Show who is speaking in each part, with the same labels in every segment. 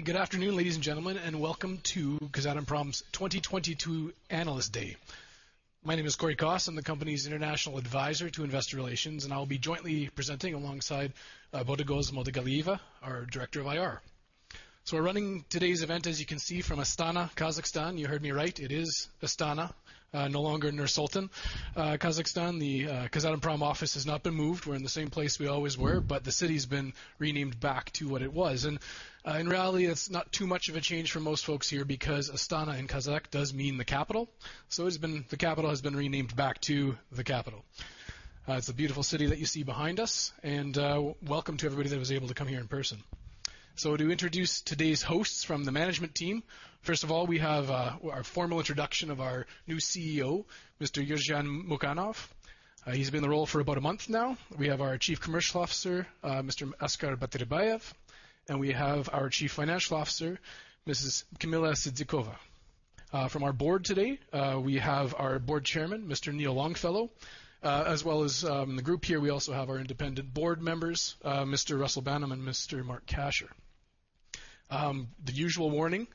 Speaker 1: Hey, good afternoon, ladies and gentlemen, and welcome to Kazatomprom's 2022 Analyst Day. My name is Cory Kos. I'm the company's International Adviser to Investor Relations, and I'll be jointly presenting alongside Botagoz Muldagaliyeva, our Director of IR. We're running today's event, as you can see, from Astana, Kazakhstan. You heard me right. It is Astana, no longer Nur-Sultan, Kazakhstan. The Kazatomprom office has not been moved. We're in the same place we always were, but the city's been renamed back to what it was. In reality, it's not too much of a change for most folks here because Astana in Kazakh does mean the capital. The capital has been renamed back to the capital. It's a beautiful city that you see behind us, and welcome to everybody that was able to come here in person. To introduce today's hosts from the management team, first of all, we have our formal introduction of our new CEO, Mr. Yerzhan Mukanov. He's been in the role for about a month now. We have our Chief Commercial Officer, Mr. Askar Batyrbayev, and we have our Chief Financial Officer, Mrs. Kamila Syzdykova. From our Board today, we have our Board Chairman, Mr. Neil Longfellow, as well as the group here, we also have our Independent Board Members, Mr. Russell Banham and Mr. Marc Kasher. The usual warning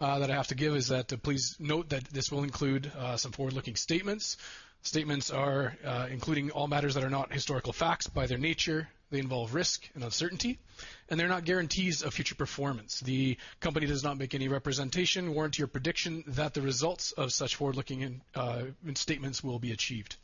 Speaker 1: that I have to give is that please note that this will include some forward-looking statements. Statements are including all matters that are not historical facts. By their nature, they involve risk and uncertainty, and they're not guarantees of future performance. The company does not make any representation, warranty, or prediction that the results of such forward-looking statements will be achieved.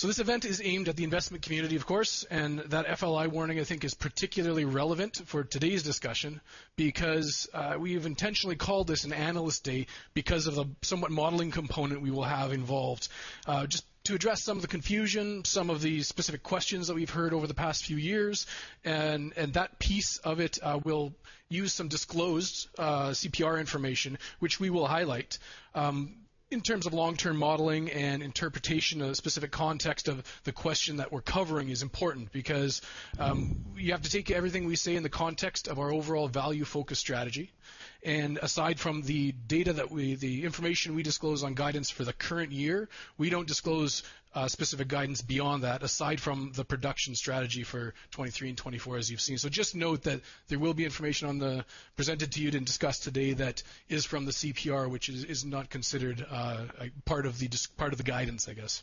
Speaker 1: This event is aimed at the investment community, of course, and that FLI warning, I think, is particularly relevant for today's discussion because we've intentionally called this an Analyst Day because of the somewhat modeling component we will have involved just to address some of the confusion, some of the specific questions that we've heard over the past few years. That piece of it will use some disclosed CPR information, which we will highlight. In terms of long-term modeling and interpretation of the specific context of the question that we're covering is important because you have to take everything we say in the context of our overall value-focused strategy. Aside from the information we disclose on guidance for the current year, we don't disclose specific guidance beyond that, aside from the production strategy for 2023 and 2024 as you've seen. Just note that there will be information presented to you and discussed today that is from the CPR, which is not considered a part of the guidance, I guess.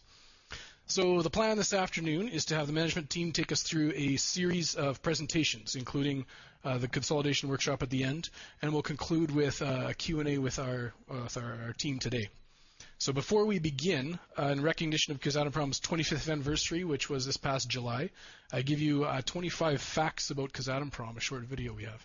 Speaker 1: The plan this afternoon is to have the management team take us through a series of presentations, including the consolidation workshop at the end, and we'll conclude with a Q&A with our team today. Before we begin, in recognition of Kazatomprom's 25th anniversary, which was this past July, I give you 25 facts about Kazatomprom, a short video we have.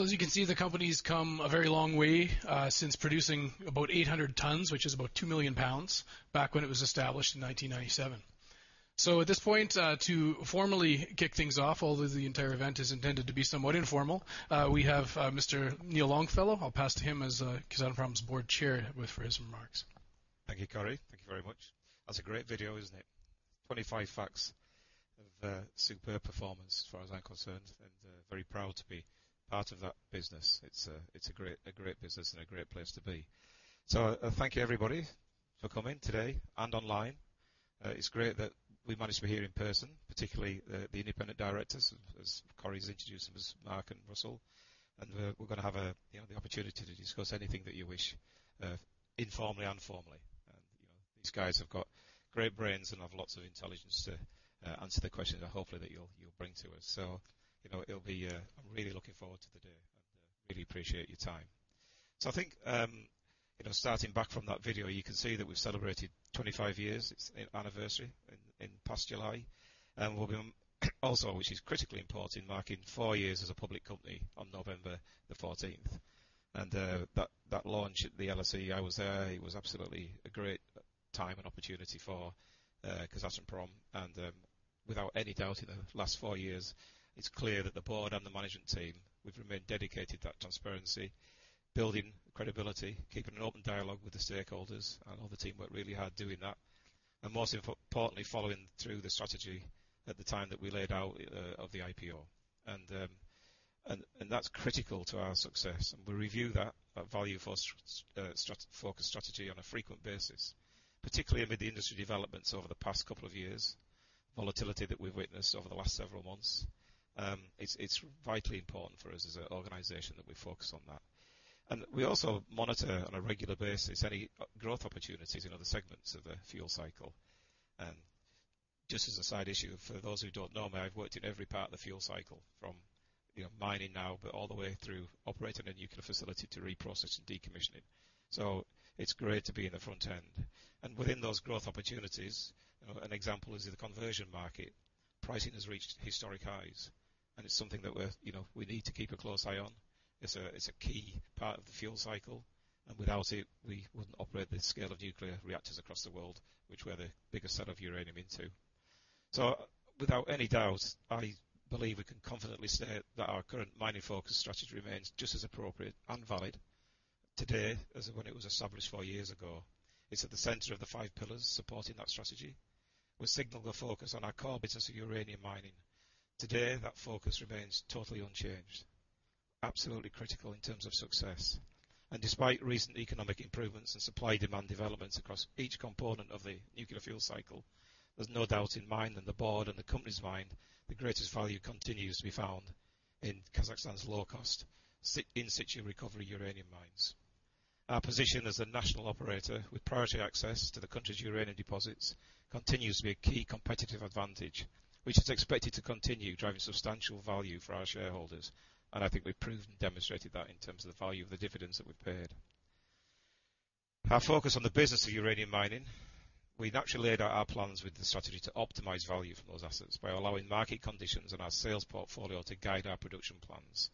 Speaker 1: As you can see, the company's come a very long way since producing about 800 tons, which is about 2 million pounds, back when it was established in 1997. At this point, to formally kick things off, although the entire event is intended to be somewhat informal, we have Mr. Neil Longfellow. I'll pass to him as Kazatomprom's Board Chair for his remarks.
Speaker 2: Thank you, Cory. Thank you very much. That's a great video, isn't it? 25 facts of superb performance as far as I'm concerned, and very proud to be part of that business. It's a great business and a great place to be. Thank you everybody for coming today and online. It's great that we managed to be here in person, particularly the Independent Directors, as Cory's introduced them as Marc and Russell. We're gonna have, you know, the opportunity to discuss anything that you wish, informally and formally. You know, these guys have got great brains and have lots of intelligence to answer the questions that hopefully you'll bring to us. You know, it'll be. I'm really looking forward to the day. I really appreciate your time. I think, you know, starting back from that video, you can see that we've celebrated 25 years anniversary in past July. We'll be also, which is critically important, marking four years as a public company on November 14th. That launch at the LSE, I was there. It was absolutely a great time and opportunity for Kazatomprom. Without any doubt in the last four years, it's clear that the Board and the Management team, we've remained dedicated to that transparency, building credibility, keeping an open dialogue with the stakeholders. All the team worked really hard doing that. Most importantly, following through the strategy at the time that we laid out of the IPO. That's critical to our success. We review that value-focused strategy on a frequent basis, particularly with the industry developments over the past couple of years, volatility that we've witnessed over the last several months. It's vitally important for us as an organization that we focus on that. We also monitor on a regular basis any growth opportunities in other segments of the fuel cycle. Just as a side issue, for those who don't know me, I've worked in every part of the fuel cycle, from, you know, mining now, but all the way through operating a nuclear facility to reprocess and decommissioning. It's great to be in the front end. Within those growth opportunities, you know, an example is in the conversion market, pricing has reached historic highs, and it's something that we're, you know, we need to keep a close eye on. It's a key part of the fuel cycle, and without it, we wouldn't operate this scale of nuclear reactors across the world, which we're the biggest seller of uranium into. Without any doubt, I believe we can confidently say that our current mining-focused strategy remains just as appropriate and valid today as when it was established four years ago. It's at the center of the five pillars supporting that strategy. We signal the focus on our core business of uranium mining. Today, that focus remains totally unchanged, absolutely critical in terms of success. Despite recent economic improvements and supply-demand developments across each component of the nuclear fuel cycle, there's no doubt in my mind, in the Board and the Company's mind, the greatest value continues to be found in Kazakhstan's low cost, in situ recovery uranium mines. Our position as a national operator with priority access to the country's uranium deposits continues to be a key competitive advantage, which is expected to continue driving substantial value for our shareholders. I think we've proved and demonstrated that in terms of the value of the dividends that we've paid. Our focus on the business of uranium mining, we naturally laid out our plans with the strategy to optimize value for those assets by allowing market conditions and our sales portfolio to guide our production plans,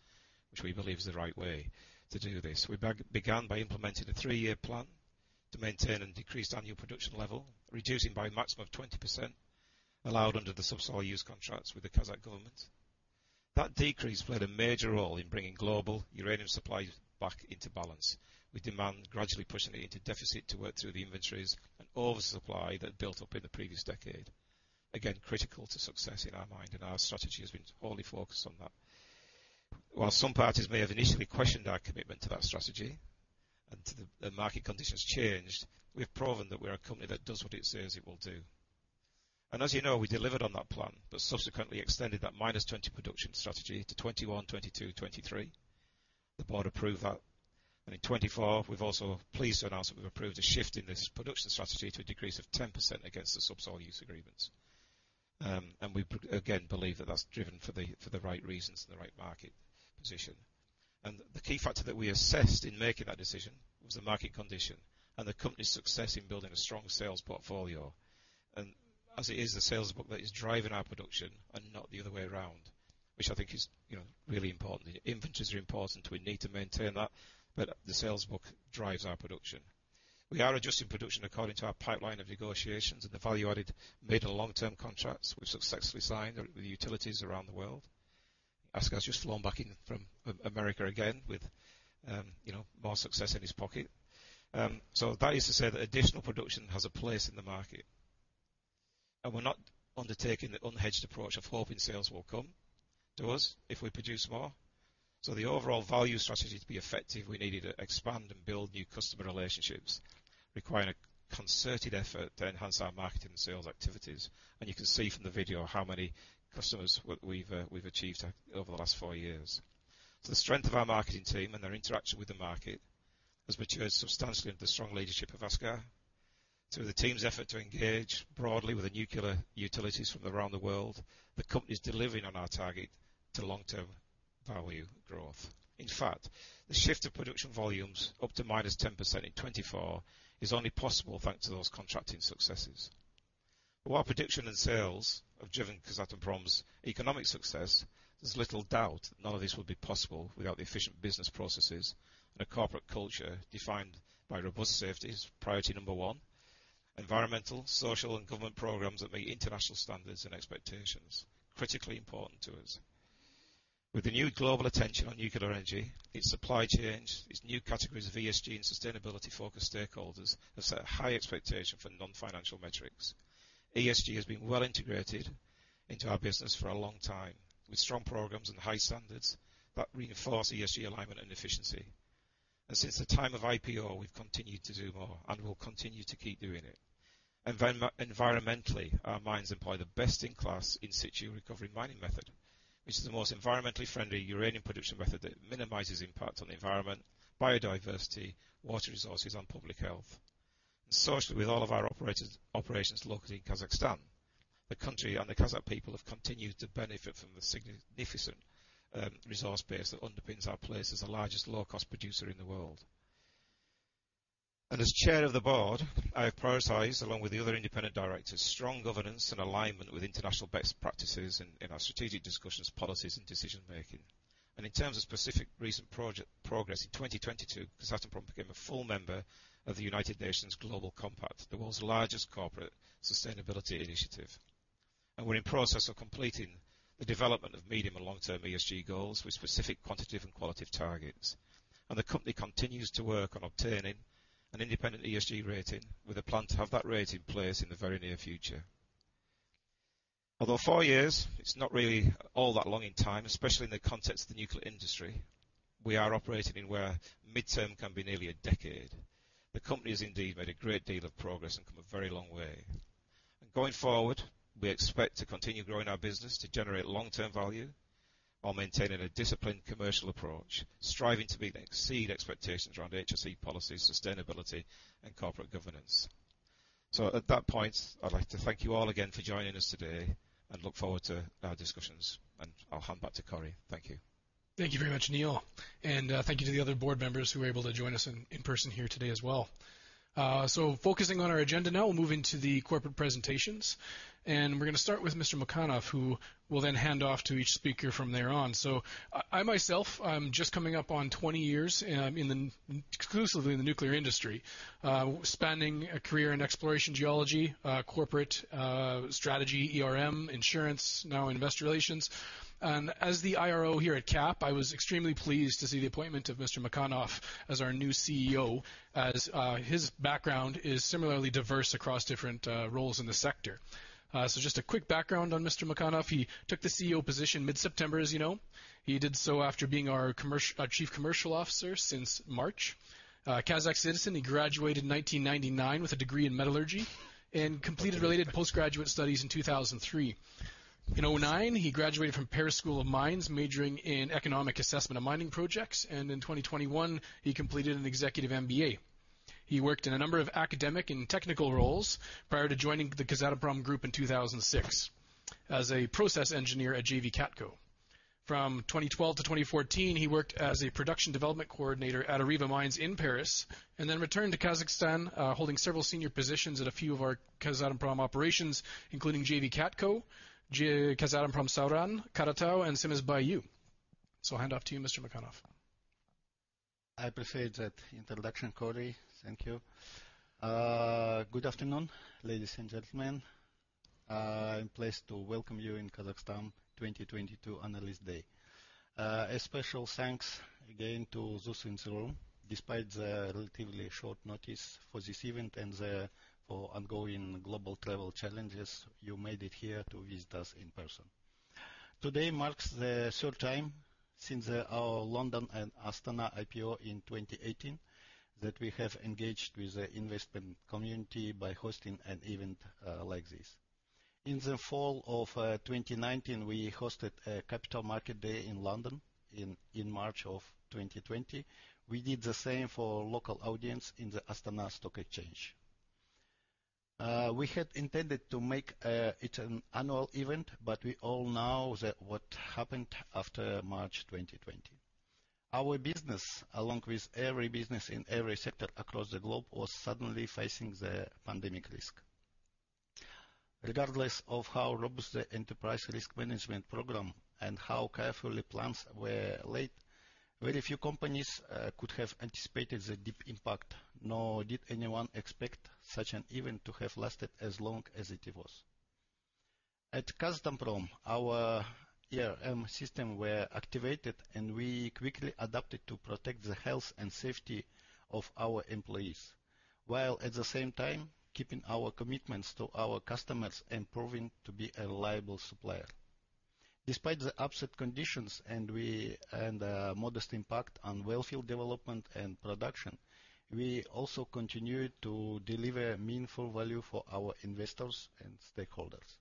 Speaker 2: which we believe is the right way to do this. We began by implementing a three-year plan to maintain a decreased annual production level, reducing by a maximum of 20% allowed under the subsoil use contracts with the Kazakh government. That decrease played a major role in bringing global uranium supply back into balance, with demand gradually pushing it into deficit to work through the inventories and oversupply that built up in the previous decade. Again, critical to success in our mind, and our strategy has been wholly focused on that. While some parties may have initially questioned our commitment to that strategy and the market conditions changed, we've proven that we're a company that does what it says it will do. As you know, we delivered on that plan, but subsequently extended that -20% production strategy to 2021, 2022, 2023. The Board approved that. In 2024, we're also pleased to announce that we've approved a shift in this production strategy to a decrease of 10% against the subsoil use agreements. We again believe that that's driven for the right reasons and the right market position. The key factor that we assessed in making that decision was the market condition and the Company's success in building a strong sales portfolio. As it is the sales book that is driving our production and not the other way around, which I think is, you know, really important. Inventories are important. We need to maintain that, but the sales book drives our production. We are adjusting production according to our pipeline of negotiations and the value-added middle and long-term contracts we've successfully signed with utilities around the world. Askar just flown back in from America again with, you know, more success in his pocket. That is to say that additional production has a place in the market, and we're not undertaking the unhedged approach of hoping sales will come to us if we produce more. The overall value strategy to be effective, we needed to expand and build new customer relationships, requiring a concerted effort to enhance our marketing sales activities. You can see from the video how many customers we've achieved over the last four years. The strength of our marketing team and their interaction with the market has matured substantially under the strong leadership of Askar. Through the team's effort to engage broadly with the nuclear utilities from around the world, the Company is delivering on our target to long-term value growth. In fact, the shift of production volumes up to -10% in 2024 is only possible thanks to those contracting successes. While production and sales have driven Kazatomprom's economic success, there's little doubt none of this would be possible without the efficient business processes and a corporate culture defined by robust safety as priority number one, environmental, social, and governance programs that meet international standards and expectations, critically important to us. With the new global attention on nuclear energy, its supply chains, its new categories of ESG and sustainability-focused stakeholders have set a high expectation for non-financial metrics. ESG has been well integrated into our business for a long time, with strong programs and high standards that reinforce ESG alignment and efficiency. Since the time of IPO, we've continued to do more and will continue to keep doing it. Environmentally, our mines employ the best-in-class in situ recovery mining method, which is the most environmentally friendly uranium production method that minimizes impact on the environment, biodiversity, water resources, and public health. Socially, with all of our operations located in Kazakhstan, the country and the Kazakh people have continued to benefit from the significant resource base that underpins our place as the largest low-cost producer in the world. As Chair of the Board, I have prioritized, along with the other independent directors, strong governance and alignment with international best practices in our strategic discussions, policies, and decision-making. In terms of specific recent progress, in 2022, Kazatomprom became a full member of the United Nations Global Compact, the world's largest corporate sustainability initiative. We're in process of completing the development of medium and long-term ESG goals with specific quantitative and qualitative targets. The company continues to work on obtaining an independent ESG rating with a plan to have that rating in place in the very near future. Although four years, it's not really all that long in time, especially in the context of the nuclear industry, we are operating in where midterm can be nearly a decade. The Company's indeed made a great deal of progress and come a very long way. Going forward, we expect to continue growing our business to generate long-term value while maintaining a disciplined commercial approach, striving to exceed expectations around HSE policy, sustainability, and corporate governance. At that point, I'd like to thank you all again for joining us today and look forward to our discussions. I'll hand back to Cory. Thank you.
Speaker 1: Thank you very much, Neil Longfellow. Thank you to the other Board Members who were able to join us in person here today as well. Focusing on our agenda now, we'll move into the corporate presentations, and we're gonna start with Mr. Mukanov, who will then hand off to each speaker from there on. I myself, I'm just coming up on 20 years exclusively in the nuclear industry, spanning a career in exploration geology, corporate strategy, ERM, insurance, now Investor Relations. As the IRO here at KAP, I was extremely pleased to see the appointment of Mr. Mukanov as our new CEO, as his background is similarly diverse across different roles in the sector. Just a quick background on Mr. Mukanov. He took the CEO position mid-September, as you know. He did so after being our Chief Commercial Officer since March. A Kazakh citizen, he graduated in 1999 with a degree in metallurgy and completed related postgraduate studies in 2003. In 2009, he graduated from Paris School of Mines, majoring in Economic Assessment of Mining Projects. In 2021, he completed an Executive MBA. He worked in a number of academic and technical roles prior to joining the Kazatomprom group in 2006 as a process engineer at JV KATCO. From 2012 to 2014, he worked as a production development coordinator at Areva Mines in Paris, and then returned to Kazakhstan, holding several senior positions at a few of our Kazatomprom operations, including JV KATCO, Kazatomprom-SaUran, Karatau, and Semizbay-U. I'll hand off to you, Mr. Mukanov.
Speaker 3: I appreciate that introduction, Cory. Thank you. Good afternoon, ladies and gentlemen. I'm pleased to welcome you in Kazakhstan 2022 Analyst Day. A special thanks again to those in the room. Despite the relatively short notice for this event and for ongoing global travel challenges, you made it here to visit us in person. Today marks the third time since our London and Astana IPO in 2018 that we have engaged with the investment community by hosting an event like this. In the fall of 2019, we hosted a Capital Markets Day in London. In March of 2020, we did the same for local audience in the Astana Stock Exchange. We had intended to make it an annual event, but we all know what happened after March 2020. Our business, along with every business in every sector across the globe, was suddenly facing the pandemic risk. Regardless of how robust the enterprise risk management program and how carefully plans were laid, very few companies could have anticipated the deep impact, nor did anyone expect such an event to have lasted as long as it was. At Kazatomprom, our ERM system were activated, and we quickly adapted to protect the health and safety of our employees, while at the same time keeping our commitments to our customers and proving to be a reliable supplier. Despite the upset conditions, modest impact on well field development and production, we also continued to deliver meaningful value for our investors and stakeholders.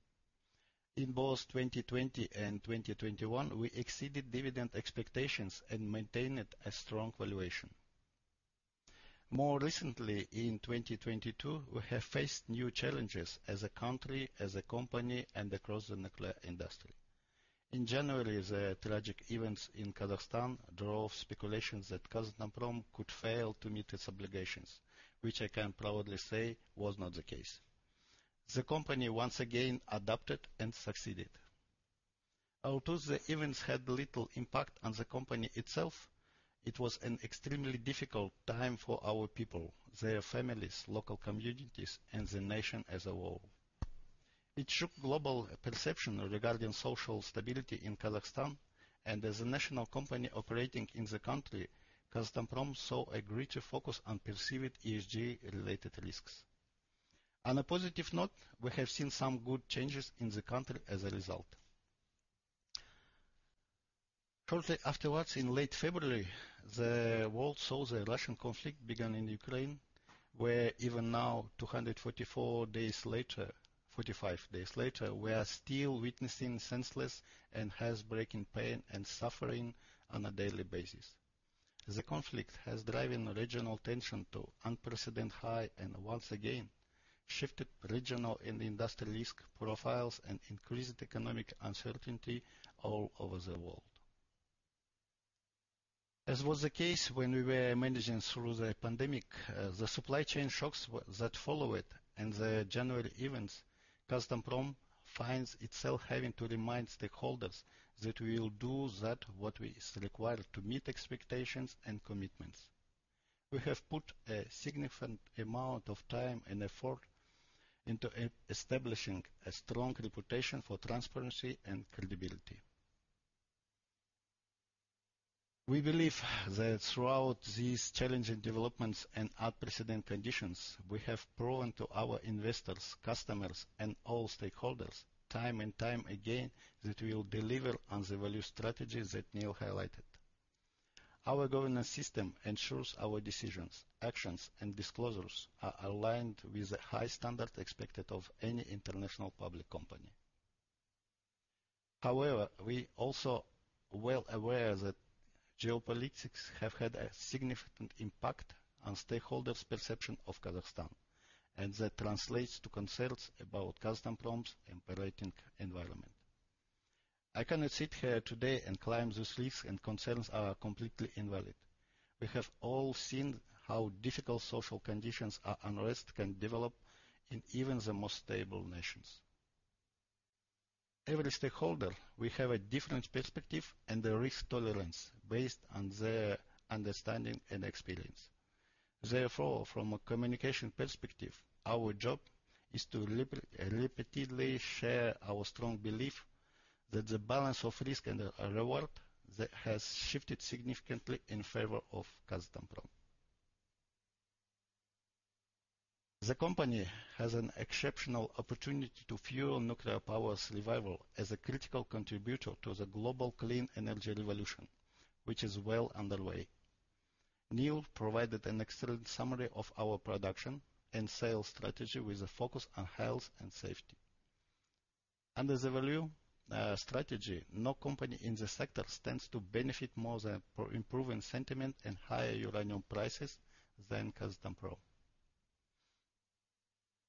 Speaker 3: In both 2020 and 2021, we exceeded dividend expectations and maintained a strong valuation. More recently in 2022, we have faced new challenges as a country, as a company, and across the nuclear industry. In January, the tragic events in Kazakhstan drove speculations that Kazatomprom could fail to meet its obligations, which I can proudly say was not the case. The Company once again adapted and succeeded. Although the events had little impact on the Company itself, it was an extremely difficult time for our people, their families, local communities, and the nation as a whole. It shook global perception regarding social stability in Kazakhstan, and as a National Company operating in the country, Kazatomprom saw a greater focus on perceiving ESG related risks. On a positive note, we have seen some good changes in the country as a result. Shortly afterwards in late February, the world saw the Russian conflict began in Ukraine, where even now 244 days later, 45 days later, we are still witnessing senseless and hearts breaking pain and suffering on a daily basis. The conflict has driven regional tension to unprecedented high, and once again shifted regional and industry risk profiles and increased economic uncertainty all over the world. As was the case when we were managing through the pandemic, the supply chain shocks that followed and the January events, Kazatomprom finds itself having to remind stakeholders that we will do that what is required to meet expectations and commitments. We have put a significant amount of time and effort into establishing a strong reputation for transparency and credibility. We believe that throughout these challenging developments and unprecedented conditions, we have proven to our investors, customers, and all stakeholders, time and time again, that we will deliver on the value strategy that Neil highlighted. Our governance system ensures our decisions, actions, and disclosures are aligned with the high standard expected of any international public company. However, we are also well aware that geopolitics have had a significant impact on stakeholders' perception of Kazakhstan, and that translates to concerns about Kazatomprom's operating environment. I cannot sit here today and claim these risks and concerns are completely invalid. We have all seen how difficult social conditions and unrest can develop in even the most stable nations. Every stakeholder will have a different perspective and a risk tolerance based on their understanding and experience. Therefore, from a communication perspective, our job is to repeatedly share our strong belief that the balance of risk and reward has shifted significantly in favor of Kazatomprom. The Company has an exceptional opportunity to fuel nuclear power's revival as a critical contributor to the global clean energy revolution, which is well underway. Neil provided an excellent summary of our production and sales strategy with a focus on health and safety. Under the value strategy, no company in this sector stands to benefit more from improving sentiment and higher uranium prices than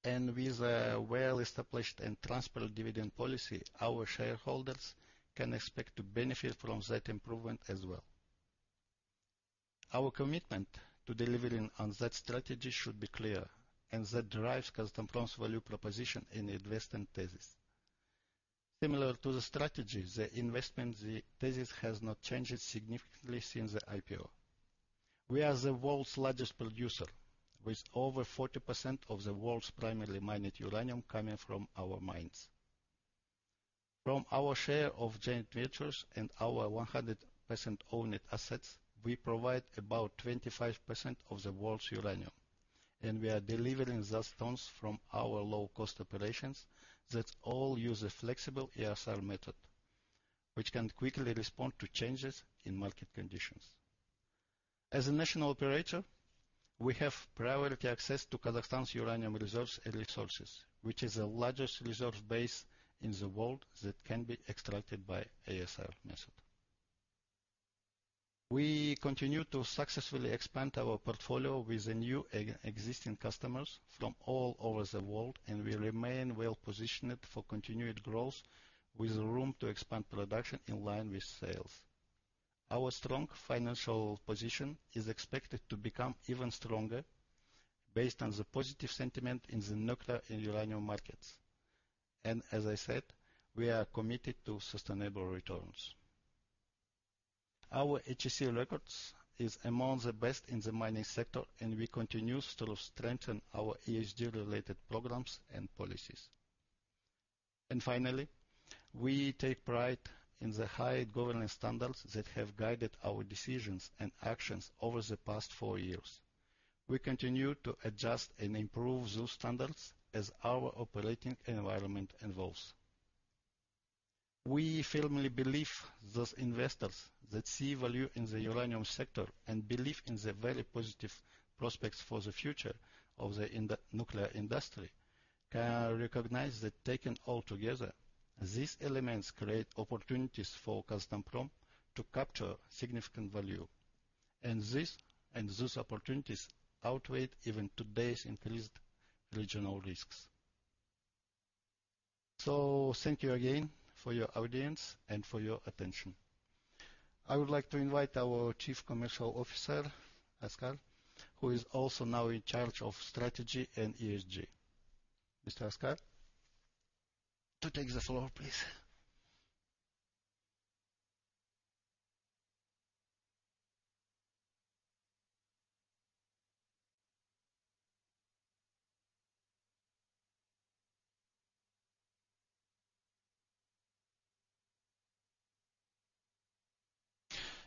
Speaker 3: Kazatomprom. With a well-established and transparent dividend policy, our shareholders can expect to benefit from that improvement as well. Our commitment to delivering on that strategy should be clear, and that drives Kazatomprom's value proposition in investment thesis. Similar to the strategy, the investment thesis has not changed significantly since the IPO. We are the world's largest producer, with over 40% of the world's primarily mined uranium coming from our mines. From our share of joint ventures and our 100% owned assets, we provide about 25% of the world's uranium, and we are delivering the tons from our low cost operations that all use a flexible ISR method, which can quickly respond to changes in market conditions. As a national operator, we have priority access to Kazakhstan's uranium reserves and resources, which is the largest reserve base in the world that can be extracted by ISR method. We continue to successfully expand our portfolio with the new and existing customers from all over the world, and we remain well-positioned for continued growth with room to expand production in line with sales. Our strong financial position is expected to become even stronger based on the positive sentiment in the nuclear and uranium markets. As I said, we are committed to sustainable returns. Our HSE records is among the best in the mining sector, and we continue to strengthen our ESG related programs and policies. Finally, we take pride in the high governance standards that have guided our decisions and actions over the past four years. We continue to adjust and improve those standards as our operating environment evolves. We firmly believe those investors that see value in the uranium sector and believe in the very positive prospects for the future of the nuclear industry can recognize that taken all together, these elements create opportunities for Kazatomprom to capture significant value. This and those opportunities outweigh even today's increased regional risks. Thank you again for your audience and for your attention. I would like to invite our Chief Commercial Officer, Askar, who is also now in charge of strategy and ESG. Mr. Askar, to take the floor, please.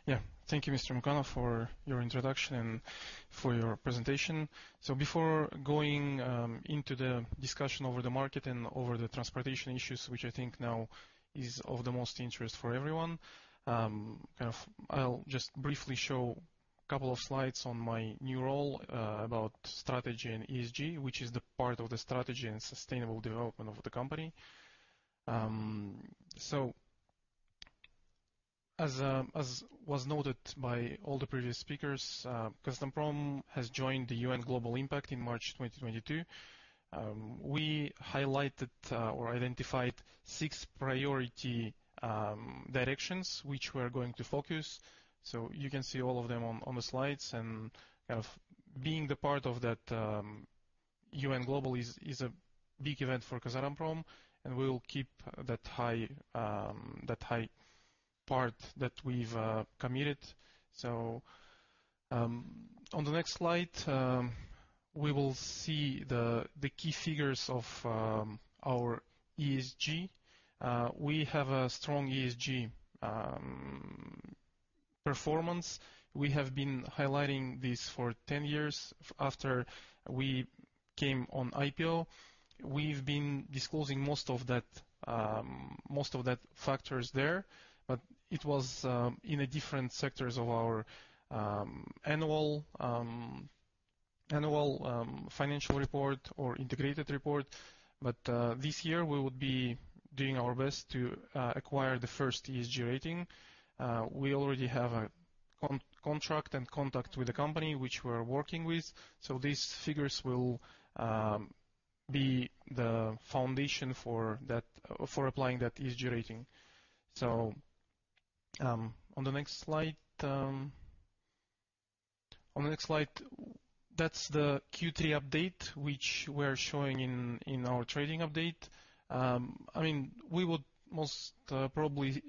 Speaker 4: Yeah. Thank you, Mr. Mukanov, for your introduction and for your presentation. Before going into the discussion over the market and over the transportation issues, which I think now is of the most interest for everyone, kind of I'll just briefly show a couple of slides on my new role, about strategy and ESG, which is the part of the strategy and sustainable development of the Company. As was noted by all the previous speakers, Kazatomprom has joined the UN Global Compact in March 2022. We highlighted or identified six priority directions which we are going to focus. You can see all of them on the slides. You know, being the part of that UN Global is a big event for Kazatomprom, and we will keep that high part that we've committed. On the next slide, we will see the key figures of our ESG. We have a strong ESG performance. We have been highlighting this for 10 years after we came on IPO. We've been disclosing most of that factors there, but it was in the different sectors of our annual financial report or integrated report. This year we will be doing our best to acquire the first ESG rating. We already have a contract and contact with the company which we're working with, so these figures will be the foundation for that, for applying that ESG rating. On the next slide, that's the Q3 update, which we're showing in our trading update. I mean, we would most probably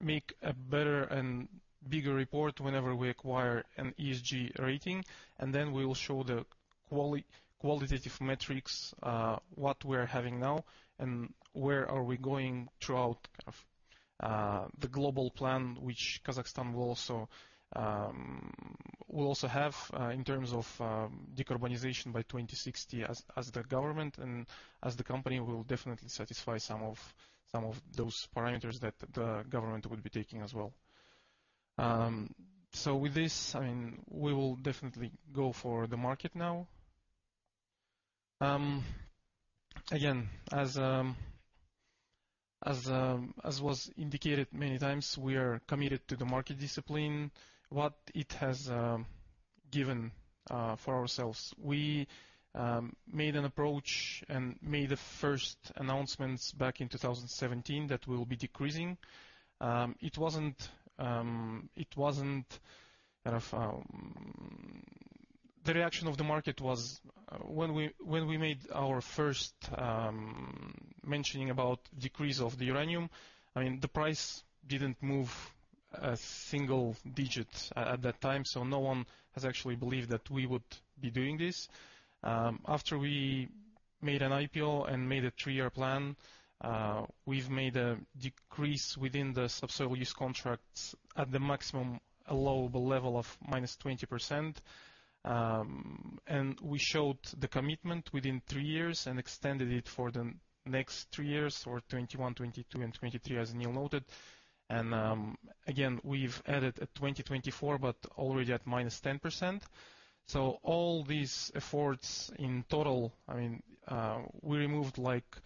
Speaker 4: make a better and bigger report whenever we acquire an ESG rating, and then we will show the qualitative metrics, what we're having now and where are we going throughout the global plan, which Kazakhstan will also have in terms of decarbonization by 2060 as the government and as the Company will definitely satisfy some of those parameters that the government will be taking as well. With this, I mean, we will definitely go for the market now. Again, as was indicated many times, we are committed to the market discipline, what it has given for ourselves. We made an approach and made the first announcements back in 2017 that we will be decreasing. It wasn't, you know, the reaction of the market was when we made our first mentioning about decrease of the uranium, I mean, the price didn't move a single digit at that time, so no one has actually believed that we would be doing this. After we made an IPO and made a three-year plan, we've made a decrease within the subsoil use contracts at the maximum allowable level of -20%. We showed the commitment within three years and extended it for the next three years or 2021, 2022, and 2023, as Neil noted. Again, we've added a 2024, but already at -10%. All these efforts in total, I mean, we removed like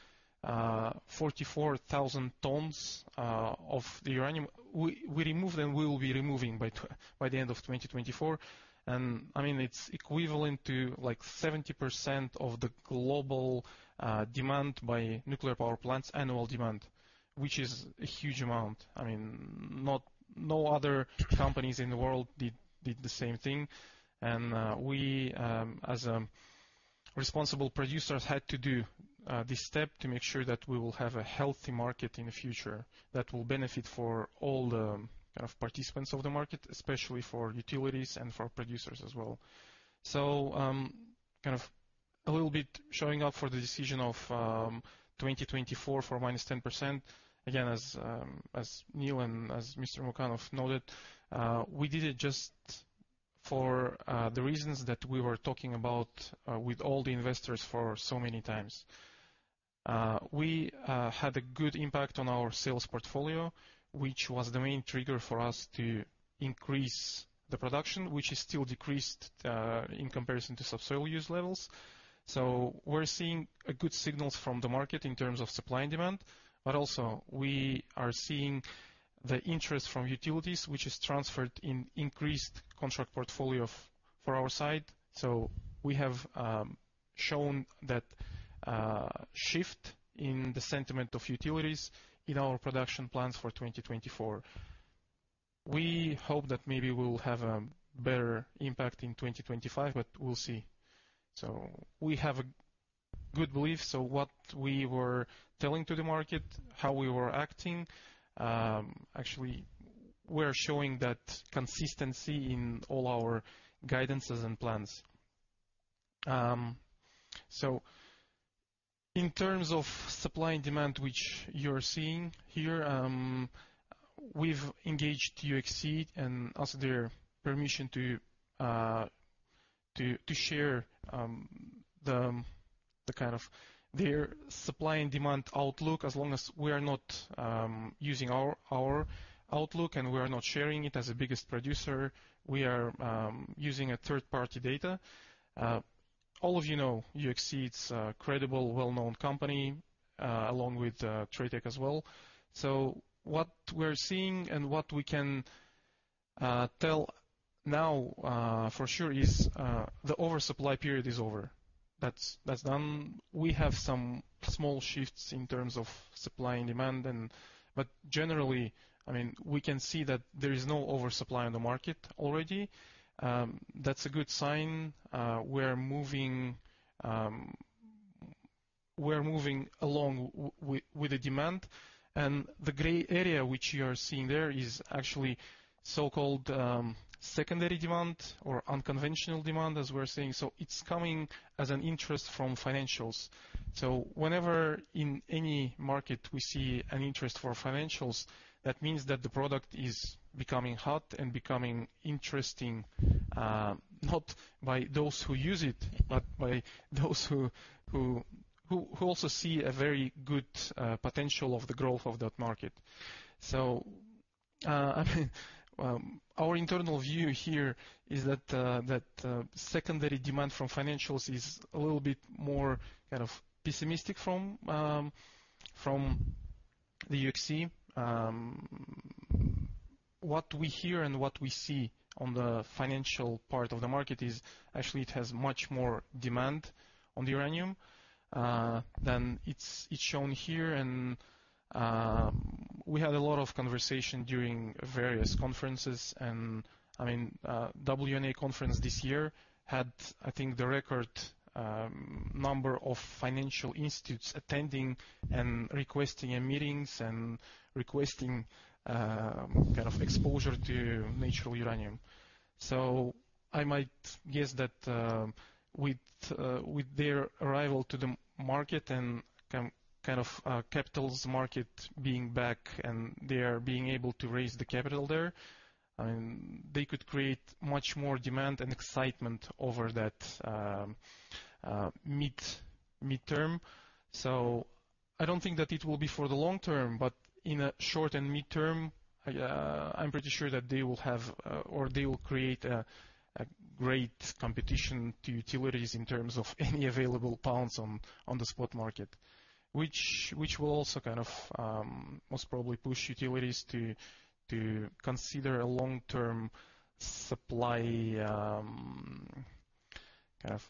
Speaker 4: 44,000 tons of the uranium. We removed and we will be removing by the end of 2024. I mean, it's equivalent to like 70% of the global demand by nuclear power plants annual demand, which is a huge amount. I mean, no other companies in the world did the same thing. We, as responsible producers, had to do this step to make sure that we will have a healthy market in the future that will benefit for all the, kind of, participants of the market, especially for utilities and for producers as well. Kind of a little bit showing up for the decision of 2024 for -10%. Again, as Neil and as Mr. Mukanov noted, we did it just for the reasons that we were talking about with all the investors for so many times. We had a good impact on our sales portfolio, which was the main trigger for us to increase the production, which is still decreased in comparison to subsoil use levels. We're seeing good signals from the market in terms of supply and demand, but also we are seeing the interest from utilities, which is transferred in increased contract portfolio for our side. We have shown that shift in the sentiment of utilities in our production plans for 2024. We hope that maybe we'll have a better impact in 2025, but we'll see. We have a good belief. What we were telling to the market, how we were acting, actually we're showing that consistency in all our guidances and plans. In terms of supply and demand, which you're seeing here, we've engaged UxC and asked their permission to share the kind of their supply and demand outlook as long as we are not using our outlook, and we are not sharing it as the biggest producer. We are using a third-party data. All of you know UxC is a credible, well-known company along with TradeTech as well. What we're seeing and what we can tell now for sure is the oversupply period is over. That's done. We have some small shifts in terms of supply and demand but generally, I mean, we can see that there is no oversupply on the market already. That's a good sign. We're moving along with the demand. The gray area which you are seeing there is actually so-called secondary demand or unconventional demand, as we're saying. It's coming as an interest from financials. Whenever in any market we see an interest for financials, that means that the product is becoming hot and becoming interesting not by those who use it, but by those who also see a very good potential of the growth of that market. I mean, our internal view here is that secondary demand from financials is a little bit more kind of pessimistic from the UxC. What we hear and what we see on the financial part of the market is actually it has much more demand on the uranium than it's shown here. We had a lot of conversation during various conferences, and I mean, the WNA conference this year had, I think, the record number of financial institutions attending and requesting meetings and requesting kind of exposure to natural uranium. I might guess that with their arrival to the market and kind of capital markets being back and they are being able to raise the capital there, I mean, they could create much more demand and excitement over that midterm. I don't think that it will be for the long term, but in a short and midterm, I'm pretty sure that they will have or they will create a great competition to utilities in terms of any available pounds on the spot market. Which will also kind of most probably push utilities to consider a long-term supply kind of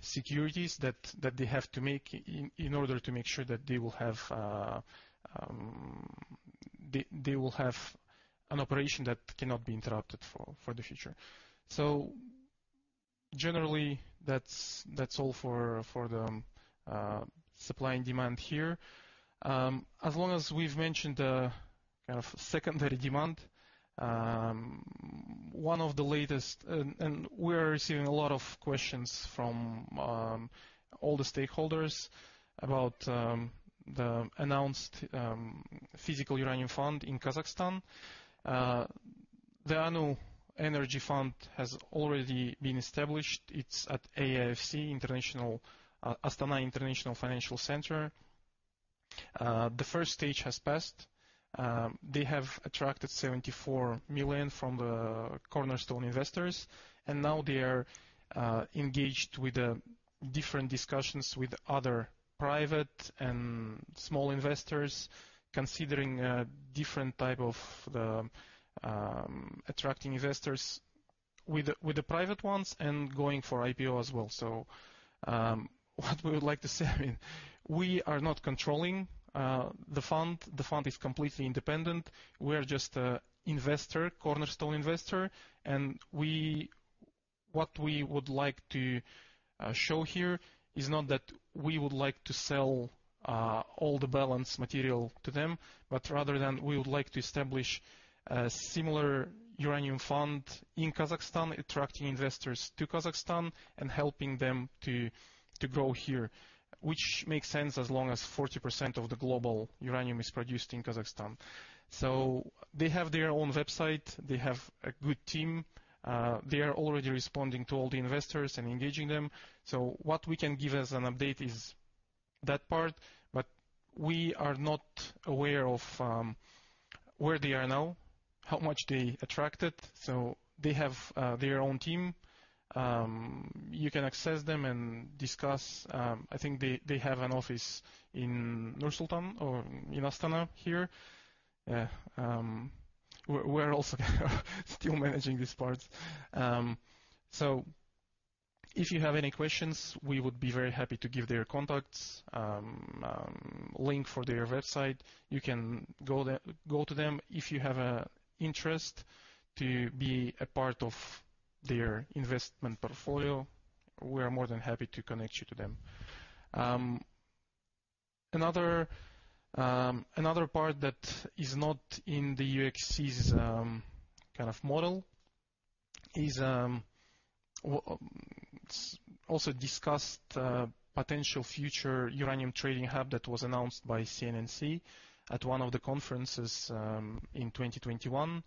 Speaker 4: securities that they have to make in order to make sure that they will have an operation that cannot be interrupted for the future. Generally, that's all for the supply and demand here. As long as we've mentioned the kind of secondary demand, one of the latest and we are receiving a lot of questions from all the stakeholders about the announced physical uranium fund in Kazakhstan. The ANU Energy Fund has already been established. It's at AIFC, Astana International Financial Centre. The first stage has passed. They have attracted $74 million from the cornerstone investors, and now they are engaged with the different discussions with other private and small investors, considering a different type of the attracting investors with the private ones and going for IPO as well. What we would like to say, I mean, we are not controlling the fund. The fund is completely independent. We are just an investor, cornerstone investor. What we would like to show here is not that we would like to sell all the balance material to them, but rather we would like to establish a similar uranium fund in Kazakhstan, attracting investors to Kazakhstan and helping them to grow here. Which makes sense as long as 40% of the global uranium is produced in Kazakhstan. They have their own website, they have a good team, they are already responding to all the investors and engaging them. What we can give as an update is that part, but we are not aware of where they are now, how much they attracted. They have their own team. You can access them and discuss. I think they have an office in Nur-Sultan or in Astana here. Yeah, we're also still managing this part. If you have any questions, we would be very happy to give their contacts, link for their website. You can go to them. If you have an interest to be a part of their investment portfolio, we are more than happy to connect you to them. Another part that is not in the UxC's kind of model is also discussed, potential future uranium trading hub that was announced by CNNC at one of the conferences in 2021.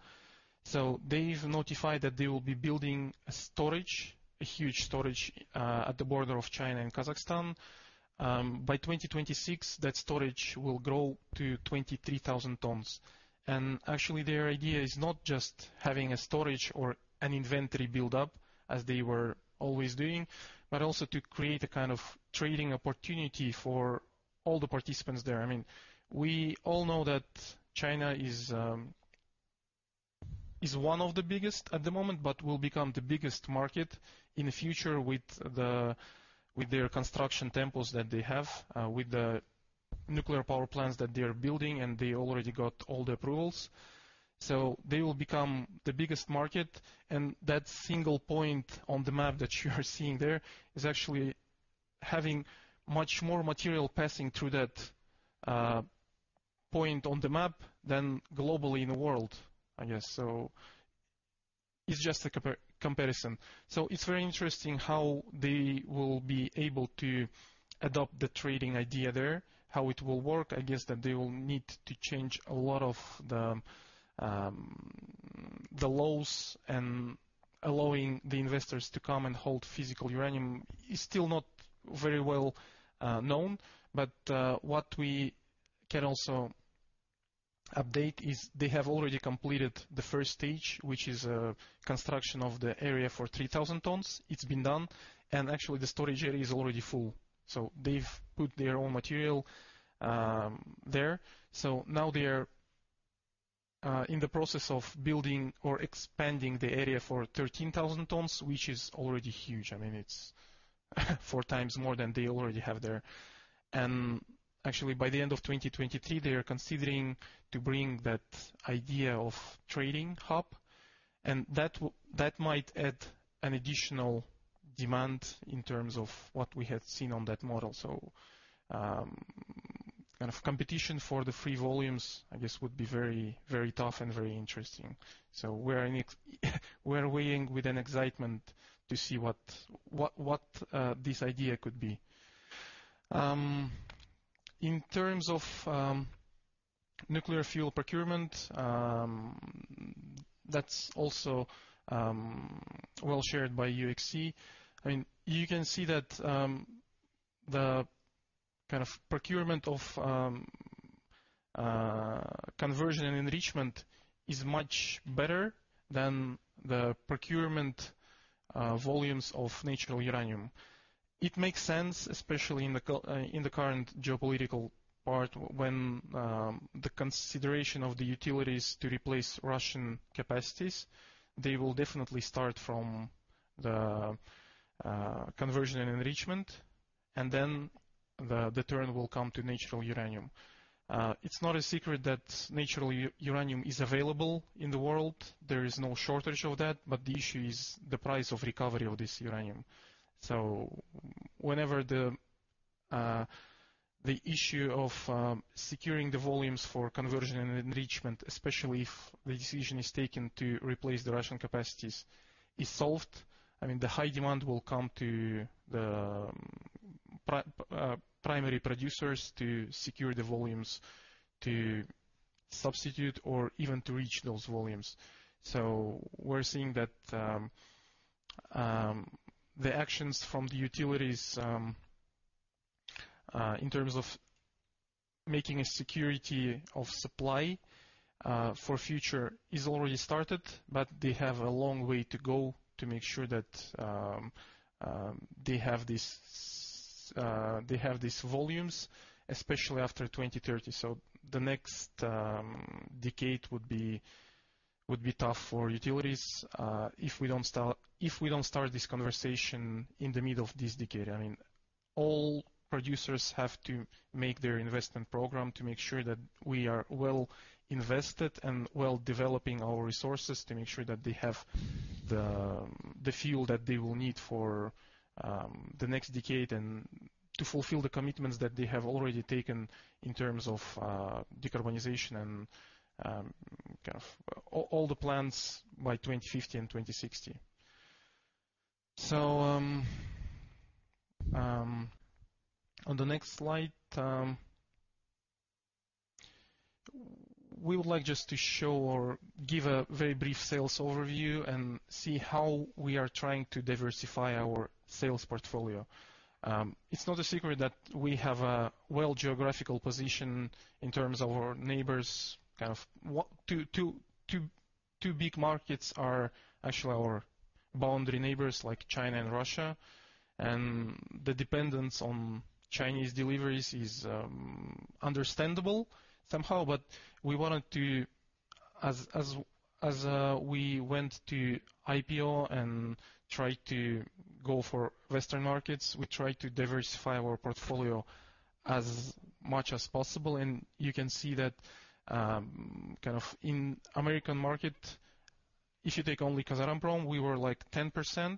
Speaker 4: They've notified that they will be building a storage, a huge storage, at the border of China and Kazakhstan. By 2026, that storage will grow to 23,000 tons. Actually, their idea is not just having a storage or an inventory build up, as they were always doing, but also to create a kind of trading opportunity for all the participants there. I mean, we all know that China is one of the biggest at the moment, but will become the biggest market in the future with their construction tempos that they have with the nuclear power plants that they are building, and they already got all the approvals. They will become the biggest market, and that single point on the map that you are seeing there is actually having much more material passing through that point on the map than globally in the world, I guess. It's just a comparison. It's very interesting how they will be able to adopt the trading idea there, how it will work. I guess that they will need to change a lot of the laws, and allowing the investors to come and hold physical uranium is still not very well known. What we can also update is they have already completed the first stage, which is construction of the area for 3,000 tons. It's been done, and actually the storage area is already full. They've put their own material there. Now they are in the process of building or expanding the area for 13,000 tons, which is already huge. I mean, it's 4x more than they already have there. Actually, by the end of 2023, they are considering to bring that idea of trading hub, and that might add an additional demand in terms of what we had seen on that model. Kind of competition for the free volumes, I guess, would be very tough and very interesting. We're waiting with excitement to see what this idea could be. In terms of nuclear fuel procurement, that's also well shared by UxC. I mean, you can see that the kind of procurement of conversion and enrichment is much better than the procurement volumes of natural uranium. It makes sense, especially in the current geopolitical context, when the consideration of the utilities to replace Russian capacities, they will definitely start from the conversion and enrichment, and then the turn will come to natural uranium. It's not a secret that natural uranium is available in the world. There is no shortage of that, but the issue is the price of recovery of this uranium. Whenever the issue of securing the volumes for conversion and enrichment, especially if the decision is taken to replace the Russian capacities, is solved, I mean, the high demand will come to the primary producers to secure the volumes to substitute or even to reach those volumes. We're seeing that the actions from the utilities in terms of making a security of supply for future is already started, but they have a long way to go to make sure that they have these volumes, especially after 2030. The next decade would be tough for utilities, if we don't start this conversation in the middle of this decade. I mean, all producers have to make their investment program to make sure that we are well invested and well developing our resources to make sure that they have the fuel that they will need for the next decade and to fulfill the commitments that they have already taken in terms of decarbonization and kind of all the plans by 2050 and 2060. On the next slide, we would like just to show or give a very brief sales overview and see how we are trying to diversify our sales portfolio. It's not a secret that we have a wealthy geographical position in terms of our neighbors. Kind of, what two big markets are actually our boundary neighbors, like China and Russia. The dependence on Chinese deliveries is understandable somehow, but we wanted to we went to IPO and tried to go for Western markets, we tried to diversify our portfolio as much as possible. You can see that, kind of in American market, if you take only Kazatomprom, we were like 10%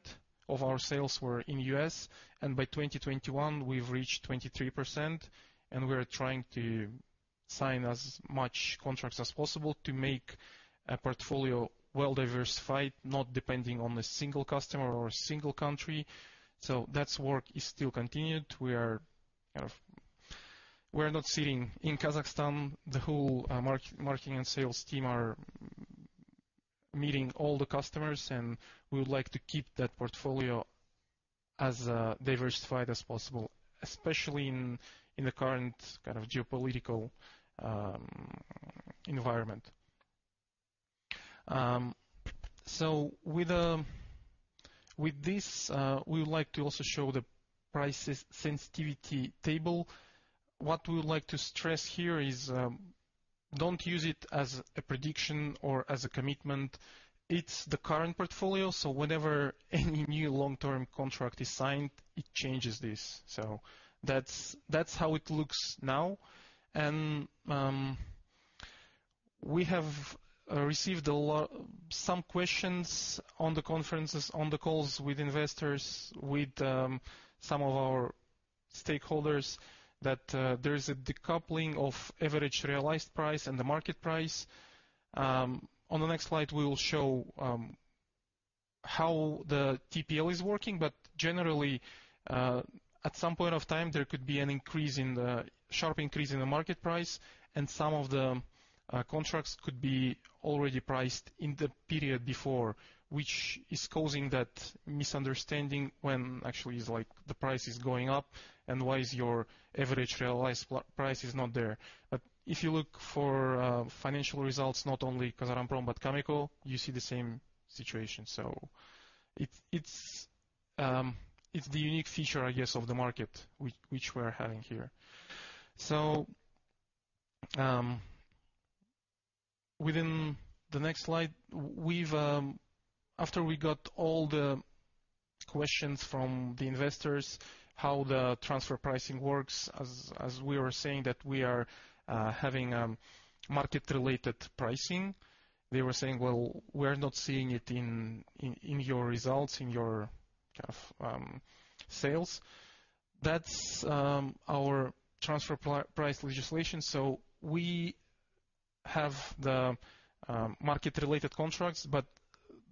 Speaker 4: of our sales were in U.S., and by 2021, we've reached 23% and we are trying to sign as much contracts as possible to make a portfolio well-diversified, not depending on a single customer or a single country. That work is still continued. We are kind of we are not sitting in Kazakhstan. The whole marketing and sales team are meeting all the customers, and we would like to keep that portfolio as diversified as possible, especially in the current kind of geopolitical environment. With this, we would like to also show the price sensitivity table. What we would like to stress here is, don't use it as a prediction or as a commitment. It's the current portfolio, so whenever any new long-term contract is signed, it changes this. That's how it looks now. We have received a lot, some questions on the conferences, on the calls with investors, with some of our stakeholders that there is a decoupling of average realized price and the market price. On the next slide, we will show how the TPL is working. Generally, at some point of time, there could be a sharp increase in the market price and some of the contracts could be already priced in the period before, which is causing that misunderstanding when actually it's like the price is going up and why is your average realized price is not there. If you look for financial results, not only Kazatomprom but Cameco, you see the same situation. It's the unique feature, I guess, of the market which we're having here. Within the next slide, we've after we got all the questions from the investors, how the transfer pricing works, as we were saying that we are having market-related pricing, they were saying, "Well, we're not seeing it in your results, in your kind of sales." That's our transfer pricing legislation. We have the market-related contracts, but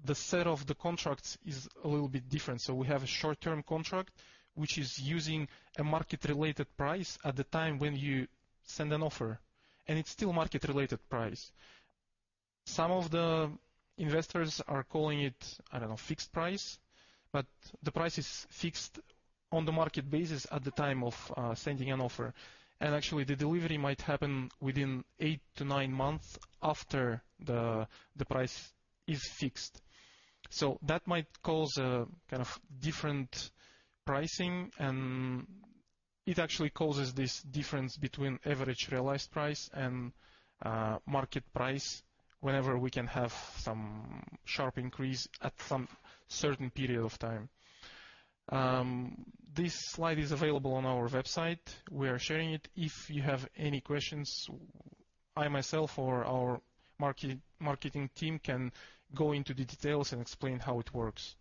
Speaker 4: the set of the contracts is a little bit different. We have a short-term contract, which is using a market-related price at the time when you send an offer, and it's still market-related price. Some of the investors are calling it, I don't know, fixed price, but the price is fixed on the market basis at the time of sending an offer. Actually the delivery might happen within eight to nine months after the price is fixed. That might cause a kind of different pricing, and it actually causes this difference between average realized price and market price whenever we can have some sharp increase at some certain period of time. This slide is available on our website. We are sharing it. If you have any questions, I myself or our marketing team can go into the details and explain how it works.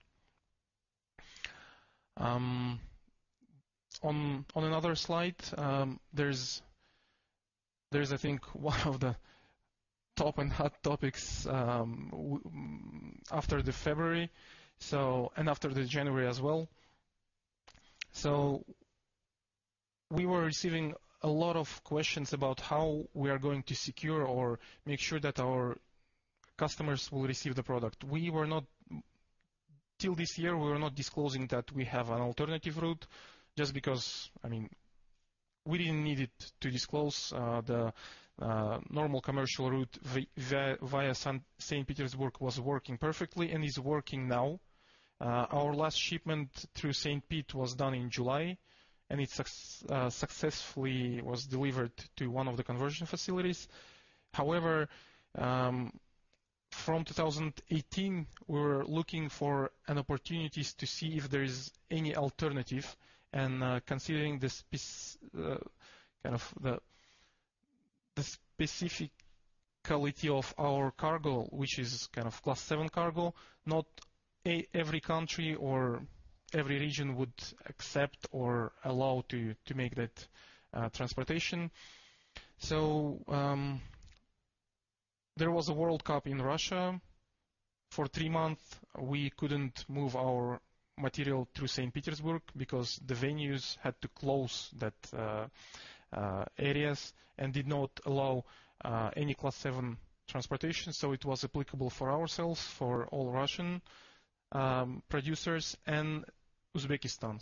Speaker 4: On another slide, there's I think one of the top and hot topics after the February, so, and after the January as well. We were receiving a lot of questions about how we are going to secure or make sure that our customers will receive the product. We were not till this year, we were not disclosing that we have an alternative route just because, I mean, we didn't need it to disclose, the normal commercial route via St. Petersburg was working perfectly and is working now. Our last shipment through St. Pete was done in July, and it successfully was delivered to one of the conversion facilities. However, from 2018, we're looking for an opportunities to see if there is any alternative. Considering the specificity of our cargo, which is Class 7 cargo, not every country or every region would accept or allow to make that transportation. There was a World Cup in Russia. For three months, we couldn't move our material through St. Petersburg because the venues had to close those areas and did not allow any Class 7 transportation. It was applicable for ourselves, for all Russian producers and Uzbekistan.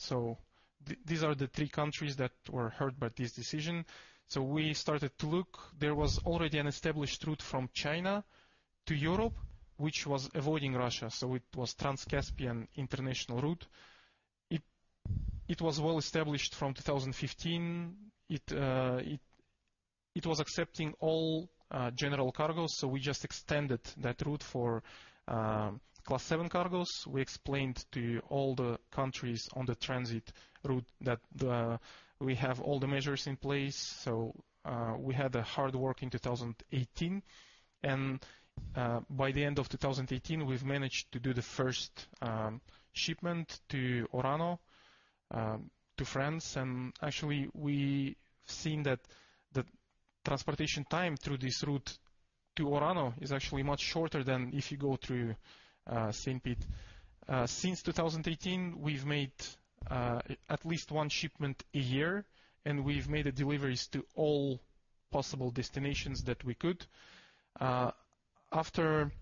Speaker 4: These are the three countries that were hurt by this decision. We started to look. There was already an established route from China to Europe, which was avoiding Russia, so it was Trans-Caspian International Transport Route. It was well established from 2015. It was accepting all general cargos. We just extended that route for Class 7 cargos. We explained to all the countries on the transit route that we have all the measures in place. We had a hard work in 2018. By the end of 2018, we've managed to do the first shipment to Orano to France. Actually, we've seen that the transportation time through this route to Orano is actually much shorter than if you go through St. Pete. Since 2018, we've made at least one shipment a year, and we've made deliveries to all possible destinations that we could. After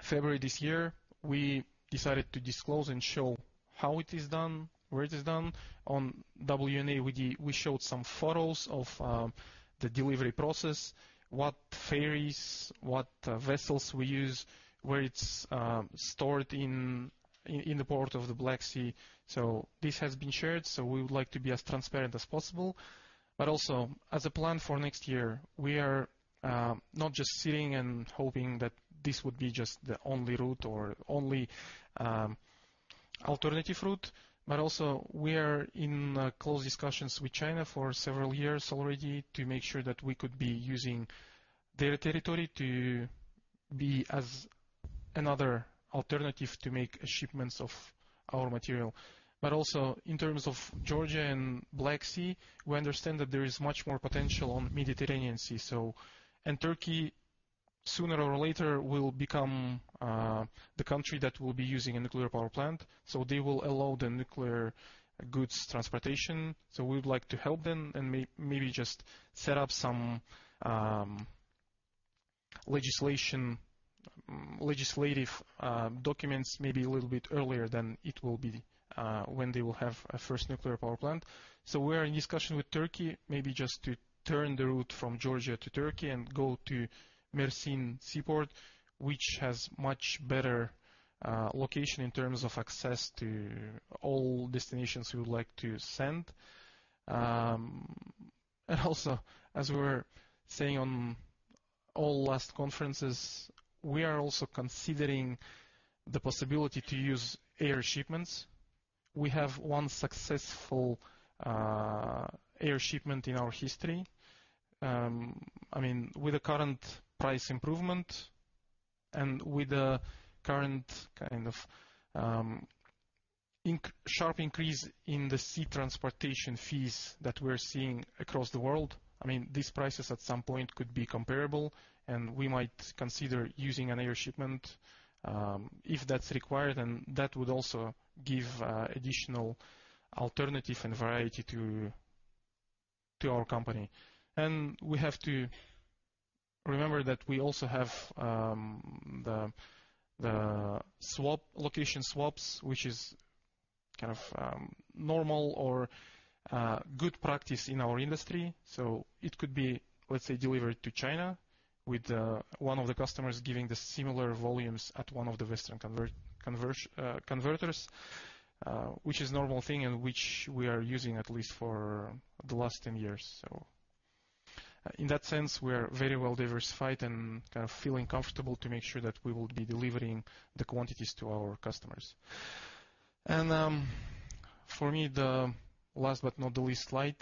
Speaker 4: February this year, we decided to disclose and show how it is done, where it is done. On WNA, we showed some photos of the delivery process, what ferries, what vessels we use, where it's stored in the port of the Black Sea. This has been shared, so we would like to be as transparent as possible. Also as a plan for next year, we are not just sitting and hoping that this would be just the only route or only alternative route, but also we are in close discussions with China for several years already to make sure that we could be using their territory to be as another alternative to make shipments of our material. Also in terms of Georgia and Black Sea, we understand that there is much more potential on Mediterranean Sea. Turkey, sooner or later, will become the country that will be using a nuclear power plant, so they will allow the nuclear goods transportation. We would like to help them and maybe just set up some legislative documents maybe a little bit earlier than it will be when they will have a first nuclear power plant. We are in discussion with Turkey, maybe just to turn the route from Georgia to Turkey and go to Mersin seaport, which has much better location in terms of access to all destinations we would like to send. Also as we were saying on all last conferences, we are also considering the possibility to use air shipments. We have one successful air shipment in our history. I mean, with the current price improvement and with the current kind of sharp increase in the sea transportation fees that we're seeing across the world, I mean, these prices at some point could be comparable, and we might consider using an air shipment if that's required, and that would also give additional alternative and variety to our Company. We have to remember that we also have the swap, location swaps, which is kind of normal or good practice in our industry. It could be, let's say, delivered to China with one of the customers giving the similar volumes at one of the western converters, which is normal thing and which we are using at least for the last 10 years. In that sense, we are very well diversified and kind of feeling comfortable to make sure that we will be delivering the quantities to our customers. For me, the last but not the least slide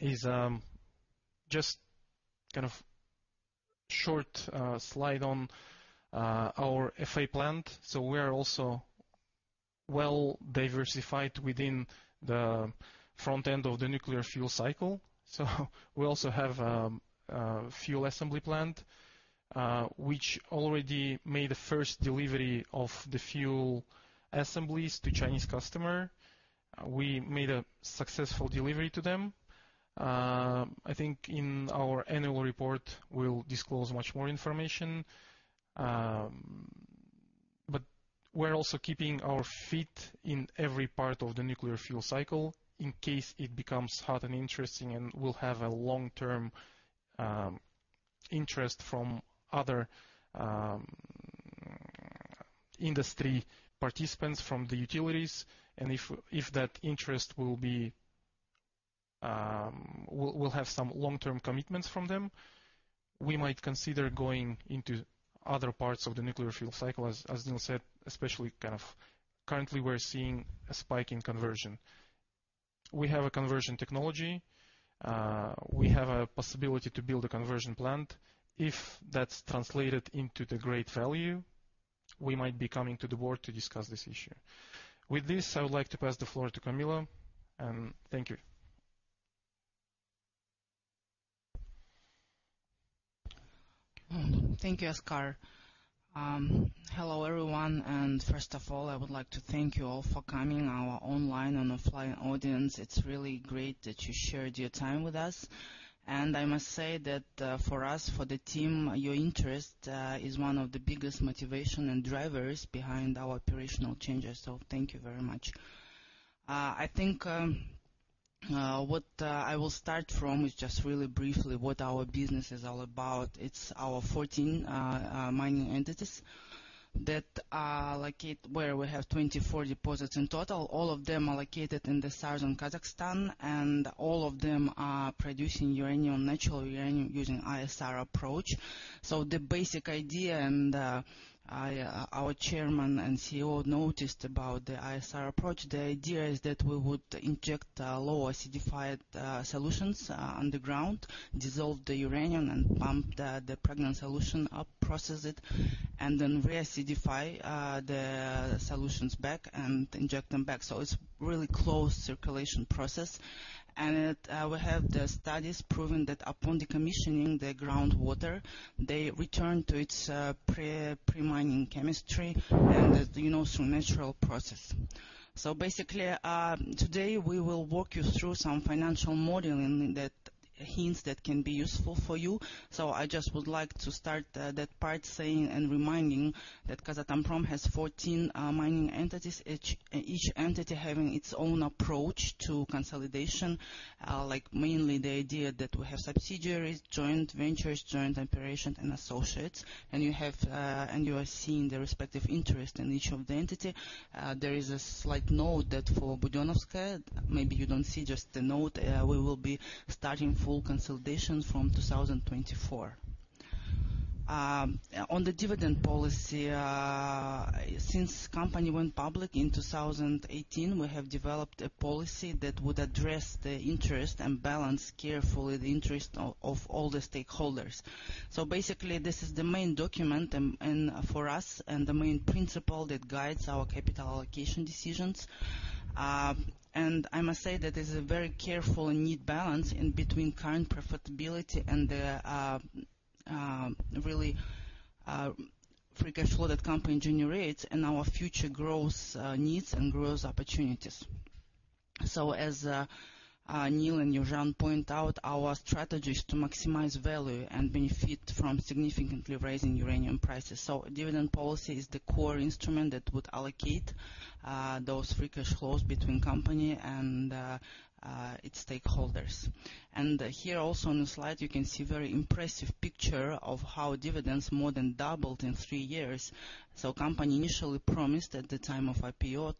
Speaker 4: is just kind of short slide on our FA plant. We are also well diversified within the front end of the nuclear fuel cycle. We also have fuel assembly plant which already made the first delivery of the fuel assemblies to Chinese customer. We made a successful delivery to them. I think in our annual report, we'll disclose much more information. We're also keeping our feet in every part of the nuclear fuel cycle in case it becomes hot and interesting, and we'll have a long-term interest from other industry participants from the utilities. If that interest will have some long-term commitments from them, we might consider going into other parts of the nuclear fuel cycle. As Neil said, especially kind of currently, we're seeing a spike in conversion. We have a conversion technology. We have a possibility to build a conversion plant. If that's translated into the great value, we might be coming to the board to discuss this issue. With this, I would like to pass the floor to Kamila, and thank you.
Speaker 5: Thank you, Askar. Hello, everyone. First of all, I would like to thank you all for coming to our online and offline audience. It's really great that you shared your time with us. I must say that, for us, for the team, your interest is one of the biggest motivation and drivers behind our operational changes. Thank you very much. I think, I will start from is just really briefly what our business is all about. It's our 14 mining entities that are located where we have 24 deposits in total. All of them are located in the southern Kazakhstan, and all of them are producing uranium, natural uranium using ISR approach. The basic idea and our Chairman and CEO noted about the ISR approach is that we would inject low acidified solutions on the ground, dissolve the uranium and pump the pregnant solution up, process it, and then re-acidify the solutions back and inject them back. It's really closed circulation process. We have the studies proving that upon decommissioning the groundwater they return to its pre-mining chemistry and, you know, through natural process. Basically, today, we will walk you through some financial modeling that hints that can be useful for you. I just would like to start that part saying and reminding that Kazatomprom has 14 mining entities, each entity having its own approach to consolidation. Like mainly the idea that we have subsidiaries, joint ventures, joint operations and associates. You are seeing the respective interest in each of the entity. There is a slight note that for Budenovskoye, maybe you don't see just the note, we will be starting full consolidation from 2024. On the dividend policy, since Company went public in 2018, we have developed a policy that would address the interest and balance carefully the interest of all the stakeholders. Basically, this is the main document, and for us, the main principle that guides our capital allocation decisions. I must say that it's a very careful and neat balance between current profitability and the really free cash flow that company generates and our future growth needs and growth opportunities. As Neil and Yerzhan point out, our strategy is to maximize value and benefit from significantly raising uranium prices. Dividend policy is the core instrument that would allocate those free cash flows between Company and its stakeholders. Here also on the slide, you can see very impressive picture of how dividends more than doubled in three years. Company initially promised at the time of IPO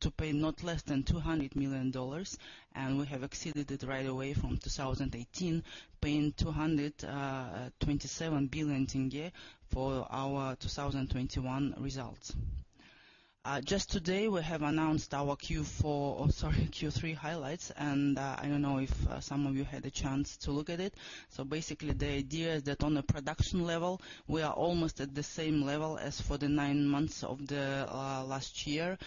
Speaker 5: to pay not less than $200 million, and we have exceeded it right away from 2018, paying KZT 227 billion for our 2021 results. Just today, we have announced our Q4, or sorry, Q3 highlights, and I don't know if some of you had a chance to look at it. Basically, the idea is that on a production level, we are almost at the same level as for the nine months of the last year,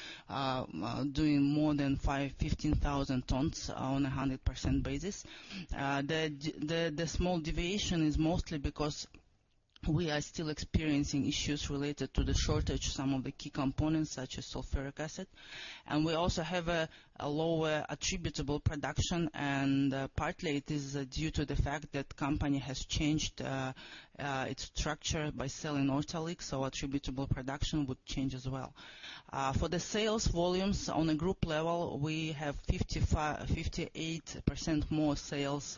Speaker 5: doing more than 15,000 tons on a 100% basis. The small deviation is mostly because we are still experiencing issues related to the shortage of some of the key components such as sulfuric acid. We also have a lower attributable production, and partly it is due to the fact that Company has changed its structure by selling Ortalyk, so attributable production would change as well. For the sales volumes on a group level, we have 58% more sales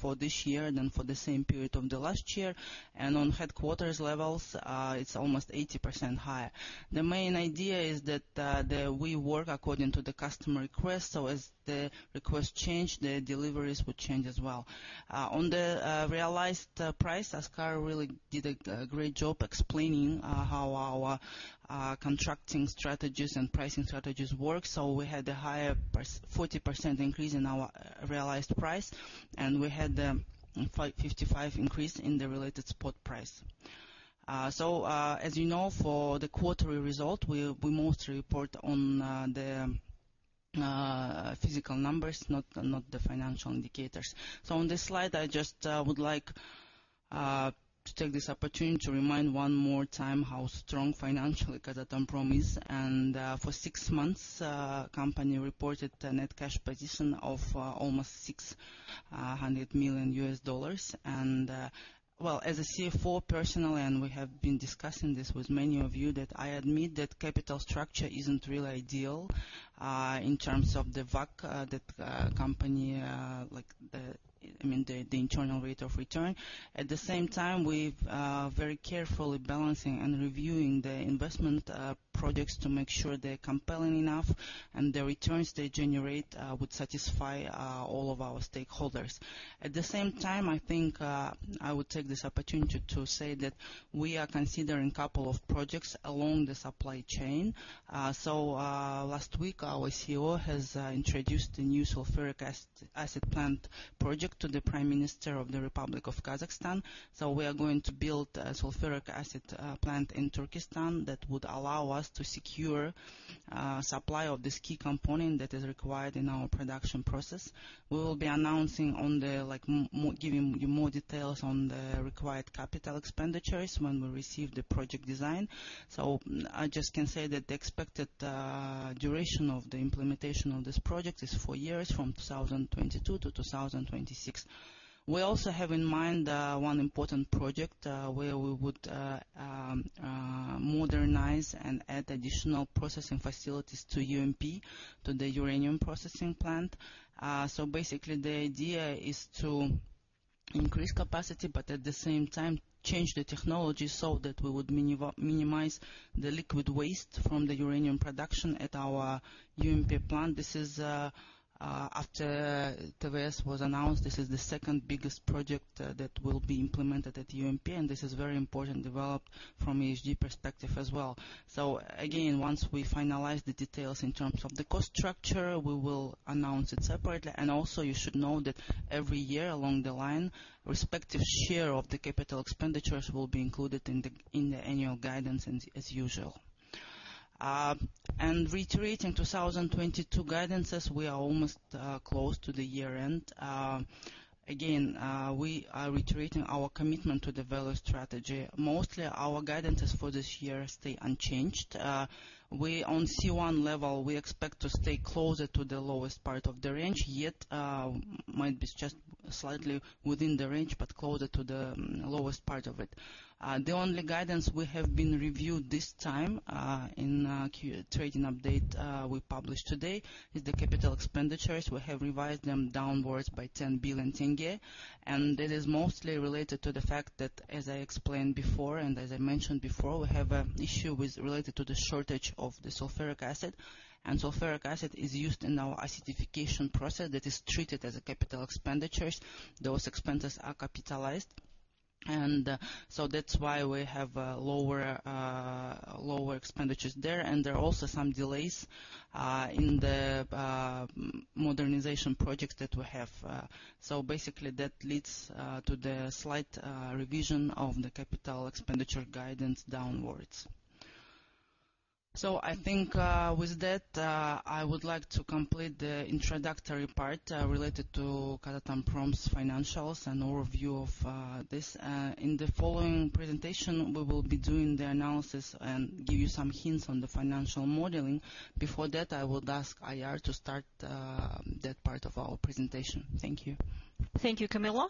Speaker 5: for this year than for the same period of the last year. On headquarters levels, it's almost 80% higher. The main idea is that we work according to the customer request, so as the request change, the deliveries would change as well. On the realized price, Askar really did a great job explaining how our contracting strategies and pricing strategies work. We had a higher 40% increase in our realized price, and we had 55% increase in the related spot price. As you know, for the quarterly result, we mostly report on the physical numbers, not the financial indicators. On this slide, I just would like to take this opportunity to remind one more time how strong financially Kazatomprom is. For six months, Company reported a net cash position of almost $600 million. As a CFO personally, and we have been discussing this with many of you, I admit that capital structure isn't really ideal in terms of the WACC, I mean, the Internal Rate of Return. At the same time, we've very carefully balancing and reviewing the investment projects to make sure they're compelling enough and the returns they generate would satisfy all of our stakeholders. At the same time, I think I would take this opportunity to say that we are considering a couple of projects along the supply chain. Last week, our CEO has introduced a new sulfuric acid plant project to the Prime Minister of the Republic of Kazakhstan. We are going to build a sulfuric acid plant in Turkistan that would allow us to secure supply of this key component that is required in our production process. We will be announcing more details on the required capital expenditures when we receive the project design. I just can say that the expected duration of the implementation of this project is four years from 2022 to 2026. We also have in mind one important project where we would modernize and add additional processing facilities to UMP, to the uranium processing plant. Basically the idea is to increase capacity, but at the same time change the technology so that we would minimize the liquid waste from the uranium production at our UMP plant. This is after TVS was announced, this is the second biggest project that will be implemented at UMP, and this is very important development from ESG perspective as well. Again, once we finalize the details in terms of the cost structure, we will announce it separately. Also you should know that every year along the line, respective share of the capital expenditures will be included in the annual guidance as usual. Reiterating 2022 guidances, we are almost close to the year-end. Again, we are reiterating our commitment to develop strategy. Mostly our guidances for this year stay unchanged. We on C1 level, we expect to stay closer to the lowest part of the range, yet might be just slightly within the range, but closer to the lowest part of it. The only guidance we have reviewed this time in the trading update we published today is the capital expenditures. We have revised them downwards by KZT 10 billion, and it is mostly related to the fact that, as I explained before and as I mentioned before, we have an issue related to the shortage of the sulfuric acid. Sulfuric acid is used in our acidification process that is treated as capital expenditures. Those expenses are capitalized. That's why we have lower expenditures there. There are also some delays in the modernization projects that we have. Basically that leads to the slight revision of the capital expenditure guidance downwards. I think, with that, I would like to complete the introductory part related to Kazatomprom's financials and overview of this. In the following presentation, we will be doing the analysis and give you some hints on the financial modeling. Before that, I would ask IR to start that part of our presentation. Thank you.
Speaker 6: Thank you, Kamila.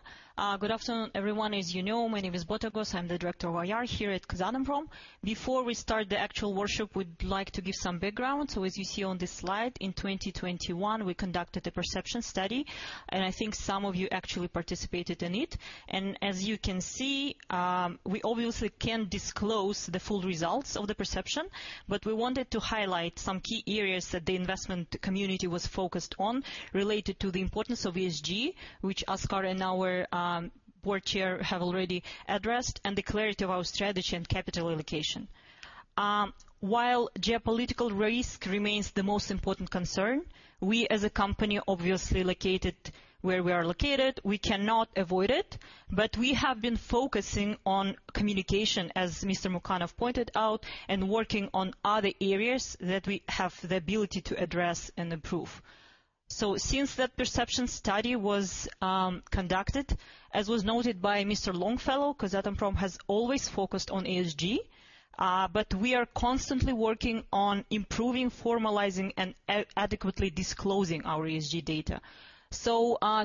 Speaker 6: Good afternoon, everyone. As you know, my name is Botagoz. I'm the director of IR here at Kazatomprom. Before we start the actual workshop, we'd like to give some background. As you see on this slide, in 2021 we conducted a perception study, and I think some of you actually participated in it. As you can see, we obviously can't disclose the full results of the perception, but we wanted to highlight some key areas that the investment community was focused on related to the importance of ESG, which Askar and our Board Chair have already addressed, and the clarity of our strategy and capital allocation. While geopolitical risk remains the most important concern, we as a Company obviously located where we are located, we cannot avoid it. We have been focusing on communication, as Mr. Mukanov pointed out, and working on other areas that we have the ability to address and improve. Since that perception study was conducted, as was noted by Mr. Longfellow, Kazatomprom has always focused on ESG, but we are constantly working on improving, formalizing, and adequately disclosing our ESG data.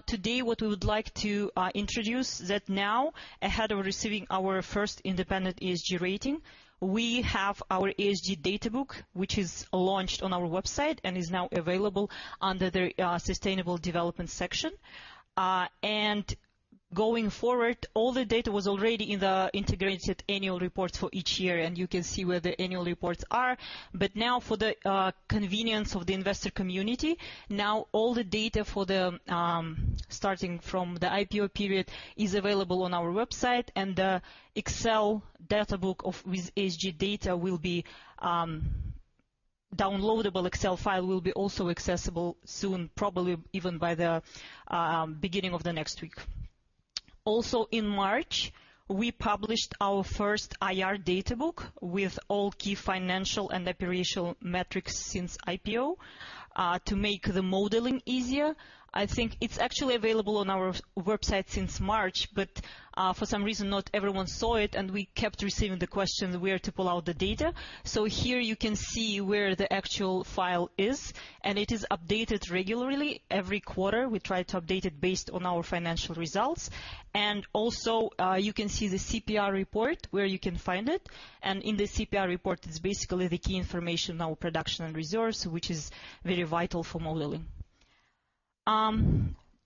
Speaker 6: Today what we would like to introduce that now ahead of receiving our first independent ESG rating, we have our ESG data book, which is launched on our website and is now available under the sustainable development section. Going forward, all the data was already in the integrated annual report for each year, and you can see where the annual reports are. Now for the convenience of the investor community, now all the data starting from the IPO period is available on our website, and the Excel data book with ESG data will be downloadable Excel file will also be accessible soon, probably even by the beginning of the next week. Also in March, we published our first IR data book with all key financial and operational metrics since IPO to make the modeling easier. I think it's actually available on our website since March, but for some reason not everyone saw it and we kept receiving the question where to pull out the data. Here you can see where the actual file is, and it is updated regularly every quarter. We try to update it based on our financial results. Also, you can see the CPR report where you can find it. In the CPR report, it's basically the key information on production and resource, which is very vital for modeling.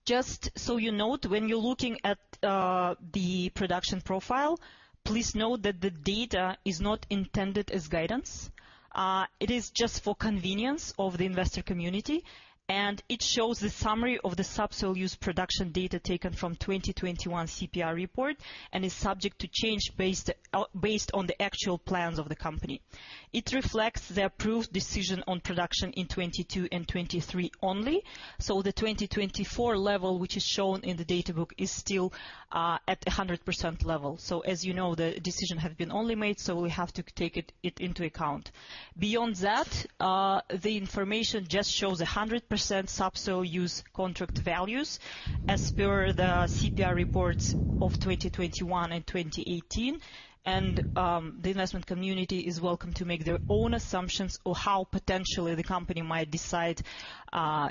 Speaker 6: Just so you note, when you're looking at the production profile, please note that the data is not intended as guidance. It is just for convenience of the investor community, and it shows the summary of the subsoil use production data taken from 2021 CPR report and is subject to change based on the actual plans of the Company. It reflects the approved decision on production in 2022 and 2023 only. The 2024 level, which is shown in the data book, is still at a 100% level. As you know, the decision has been only made, so we have to take it into account. Beyond that, the information just shows 100% subsoil use contract values as per the CPR reports of 2021 and 2018. The investment community is welcome to make their own assumptions on how potentially the Company might decide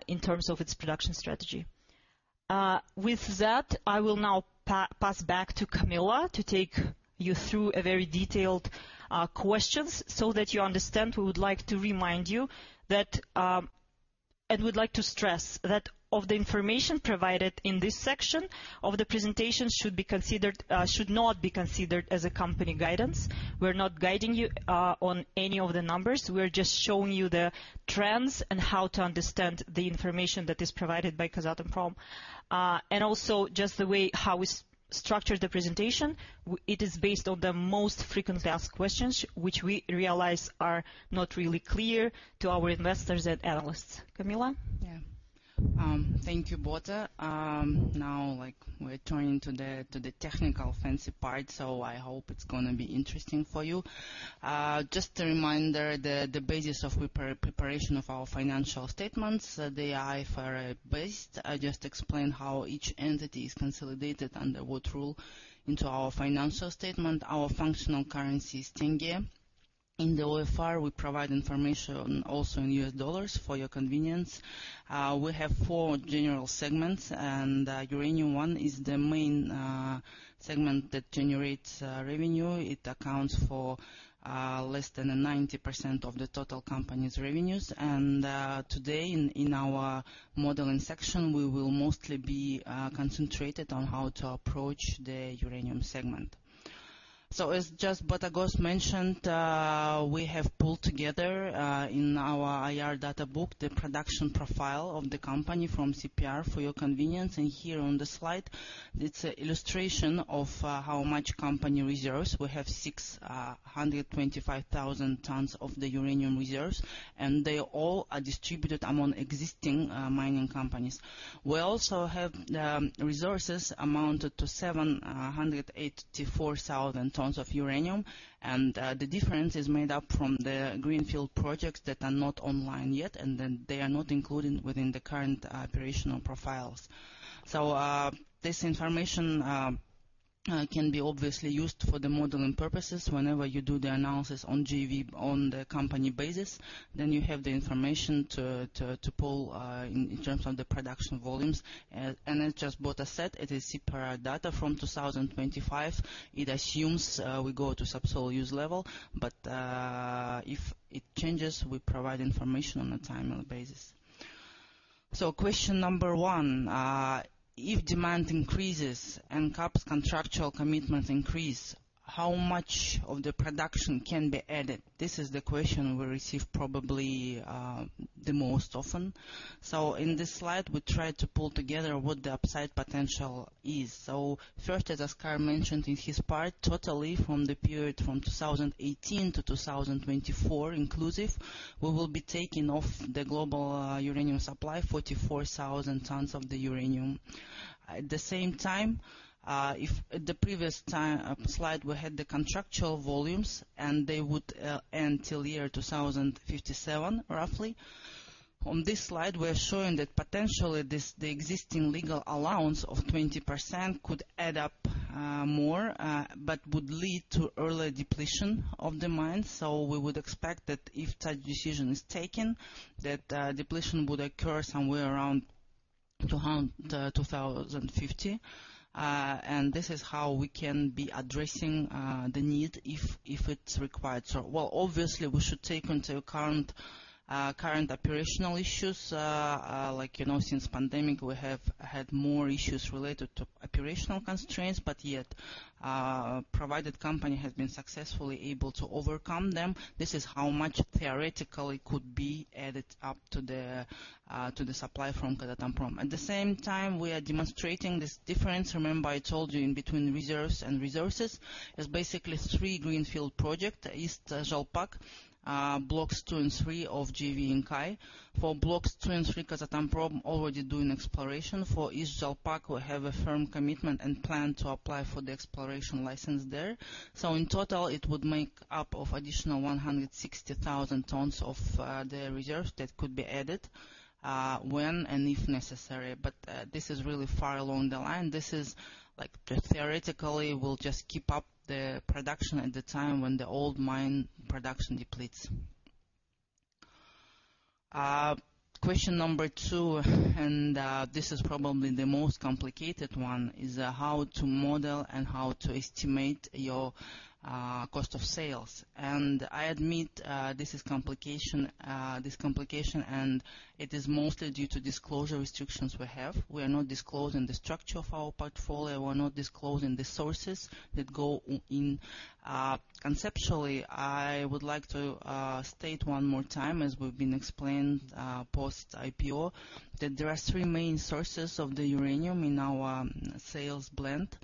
Speaker 6: in terms of its production strategy. With that, I will now pass back to Kamila to take you through a very detailed questions. That you understand, we would like to remind you that, and we'd like to stress that the information provided in this section of the presentation should not be considered as a Company guidance. We're not guiding you on any of the numbers. We're just showing you the trends and how to understand the information that is provided by Kazatomprom. Just the way how we structured the presentation, it is based on the most frequently asked questions, which we realize are not really clear to our investors and analysts. Kamila?
Speaker 5: Yeah. Thank you, Bota. Now, like, we're turning to the technical fancy part, so I hope it's gonna be interesting for you. Just a reminder, the basis of preparation of our financial statements, they are IFRS-based. I just explain how each entity is consolidated under what rule into our financial statement. Our functional currency is tenge. In the OFR, we provide information also in U.S. dollars for your convenience. We have four general segments, and Uranium One is the main segment that generates revenue. It accounts for less than 90% of the total Company's revenues. Today in our modeling section, we will mostly be concentrated on how to approach the uranium segment. As just Botagoz mentioned, we have pulled together in our IR data book the production profile of the Company from CPR for your convenience. Here on the slide, it's an illustration of how much Company reserves. We have 625,000 tons of the uranium reserves, and they all are distributed among existing mining companies. We also have resources amounted to 784,000 tons of uranium, and the difference is made up from the greenfield projects that are not online yet, and then they are not included within the current operational profiles. This information can be obviously used for the modeling purposes. Whenever you do the analysis on JV on the company basis, then you have the information to pull in terms of the production volumes. As just Bota said, it is CPR data from 2025. It assumes we go to subsoil use level, but if it changes, we provide information on a timely basis. Question number one, if demand increases and KAP's contractual commitments increase, how much of the production can be added? This is the question we receive probably the most often. In this slide, we try to pull together what the upside potential is. First, as Askar mentioned in his part, total from the period from 2018 to 2024 inclusive, we will be taking out of the global uranium supply 44,000 tons of uranium. At the same time, if the previous slide, we had the contractual volumes, and they would end till year 2057, roughly. On this slide, we are showing that potentially this, the existing legal allowance of 20% could add up more, but would lead to early depletion of the mines. We would expect that if such decision is taken, that depletion would occur somewhere around 2050. This is how we can be addressing the need if it's required. Well, obviously, we should take into account current operational issues. Like, you know, since pandemic, we have had more issues related to operational constraints, but yet the company has been successfully able to overcome them. This is how much theoretically could be added up to the supply from Kazatomprom. At the same time, we are demonstrating this difference. Remember, I told you in between reserves and resources is basically three greenfield project, East Zhalpak, blocks two and three of JV Inkai. For blocks two and three, Kazatomprom already doing exploration. For East Zhalpak, we have a firm commitment and plan to apply for the exploration license there. In total, it would make up of additional 160,000 tons of the reserves that could be added when and if necessary. But this is really far along the line. This is, like, theoretically, we'll just keep up the production at the time when the old mine production depletes. Question number two and this is probably the most complicated one is how to model and how to estimate your cost of sales. I admit, this is a complication, and it is mostly due to disclosure restrictions we have. We are not disclosing the structure of our portfolio. We're not disclosing the sources that go in. Conceptually, I would like to state one more time, as we've explained, post-IPO, that there are three main sources of the uranium in our sales blend.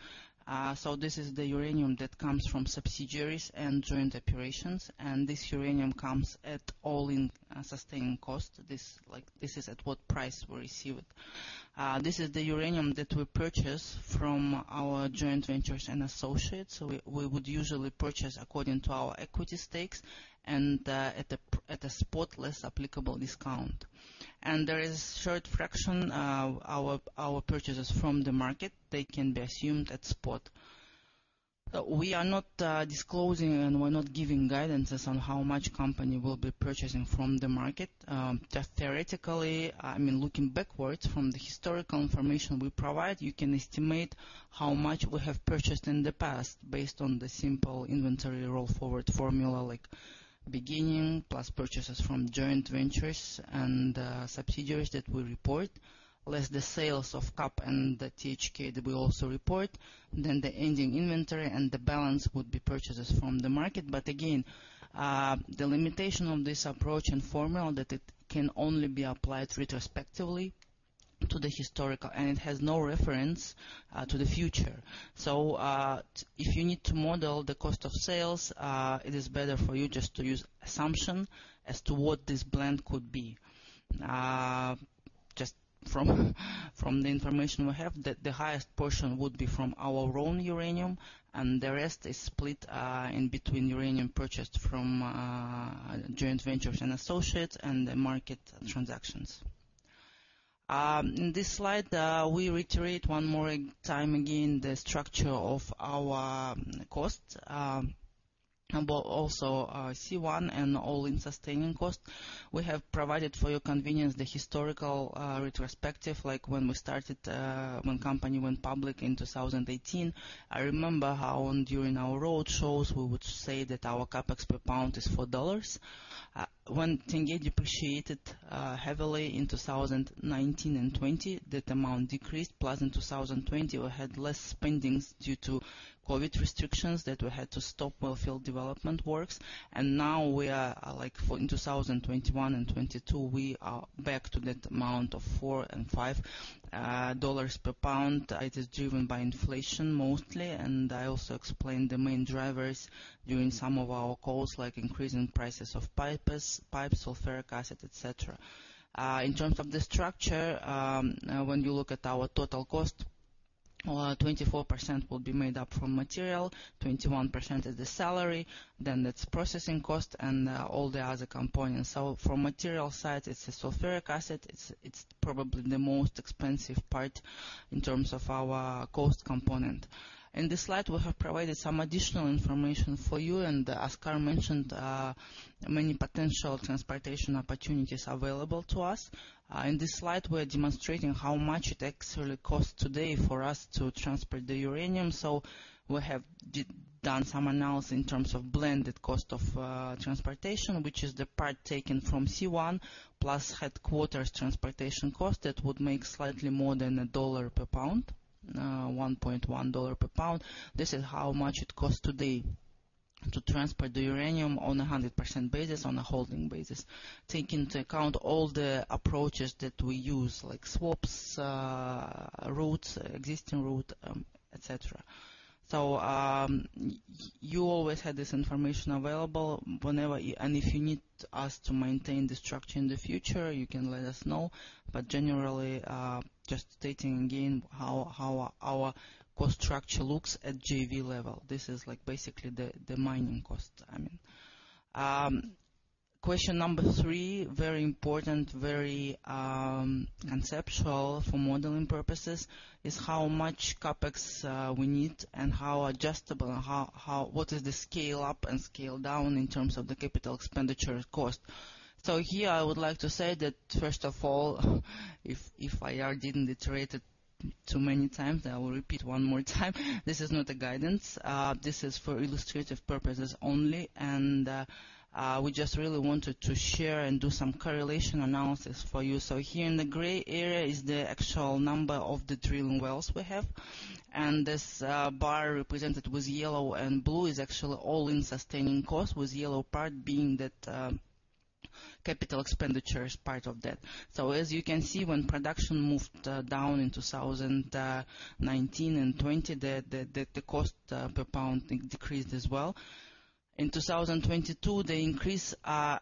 Speaker 5: This is the uranium that comes from subsidiaries and joint operations, and this uranium comes at all-in sustaining cost. This, like, this is at what price we receive it. This is the uranium that we purchase from our joint ventures and associates. We would usually purchase according to our equity stakes and, at a spot less applicable discount. There is a short fraction of our purchases from the market. They can be assumed at spot. We are not disclosing and we're not giving guidances on how much Company will be purchasing from the market. Just theoretically, I mean, looking backwards from the historical information we provide, you can estimate how much we have purchased in the past based on the simple inventory roll forward formula, like beginning plus purchases from joint ventures and subsidiaries that we report, less the sales of KAP and the THK that we also report, then the ending inventory and the balance would be purchases from the market. Again, the limitation of this approach and formula that it can only be applied retrospectively to the historical, and it has no reference to the future. If you need to model the cost of sales, it is better for you just to use assumption as to what this blend could be. Just from the information we have, the highest portion would be from our own uranium, and the rest is split in between uranium purchased from joint ventures and associates and the market transactions. In this slide, we reiterate one more time again the structure of our costs, but also our C1 and all-in sustaining cost. We have provided for your convenience the historical retrospective, like when we started, when Company went public in 2018. I remember how during our road shows, we would say that our CapEx per pound is $4. When tenge depreciated heavily in 2019 and 2020, that amount decreased, plus in 2020, we had less spending due to COVID restrictions that we had to stop well field development works. Now, for 2021 and 2022, we are back to that amount of $4-$5 per pound. It is driven by inflation mostly, and I also explained the main drivers during some of our calls, like increasing prices of pipes, sulfuric acid, et cetera. In terms of the structure, when you look at our total cost, 24% will be made up from material, 21% is the salary, then it's processing cost and all the other components. From material side, it's the sulfuric acid. It's probably the most expensive part in terms of our cost component. In this slide, we have provided some additional information for you, and as Askar mentioned, many potential transportation opportunities available to us. In this slide, we're demonstrating how much it actually costs today for us to transport the uranium. We have done some analysis in terms of blended cost of transportation, which is the part taken from C1 plus headquarters transportation cost. That would make slightly more than $1 per pound, $1.1 per pound. This is how much it costs today to transport the uranium on a 100% basis, on a holding basis, take into account all the approaches that we use, like swaps, routes, existing route, etc. You always have this information available. If you need us to maintain the structure in the future, you can let us know. Generally, just stating again how our cost structure looks at JV level. This is like basically the mining cost, I mean. Question number three, very important, conceptual for modeling purposes, is how much CapEx we need and how adjustable and what is the scale up and scale down in terms of the capital expenditure cost. Here I would like to say that first of all, if I didn't iterate it too many times, I will repeat one more time. This is not a guidance. This is for illustrative purposes only. We just really wanted to share and do some correlation analysis for you. Here in the gray area is the actual number of the drilling wells we have. This bar represented with yellow and blue is actually all-in sustaining cost, with yellow part being that, capital expenditures part of that. As you can see, when production moved down in 2019 and 2020, the cost per pound decreased as well. In 2022, the increase I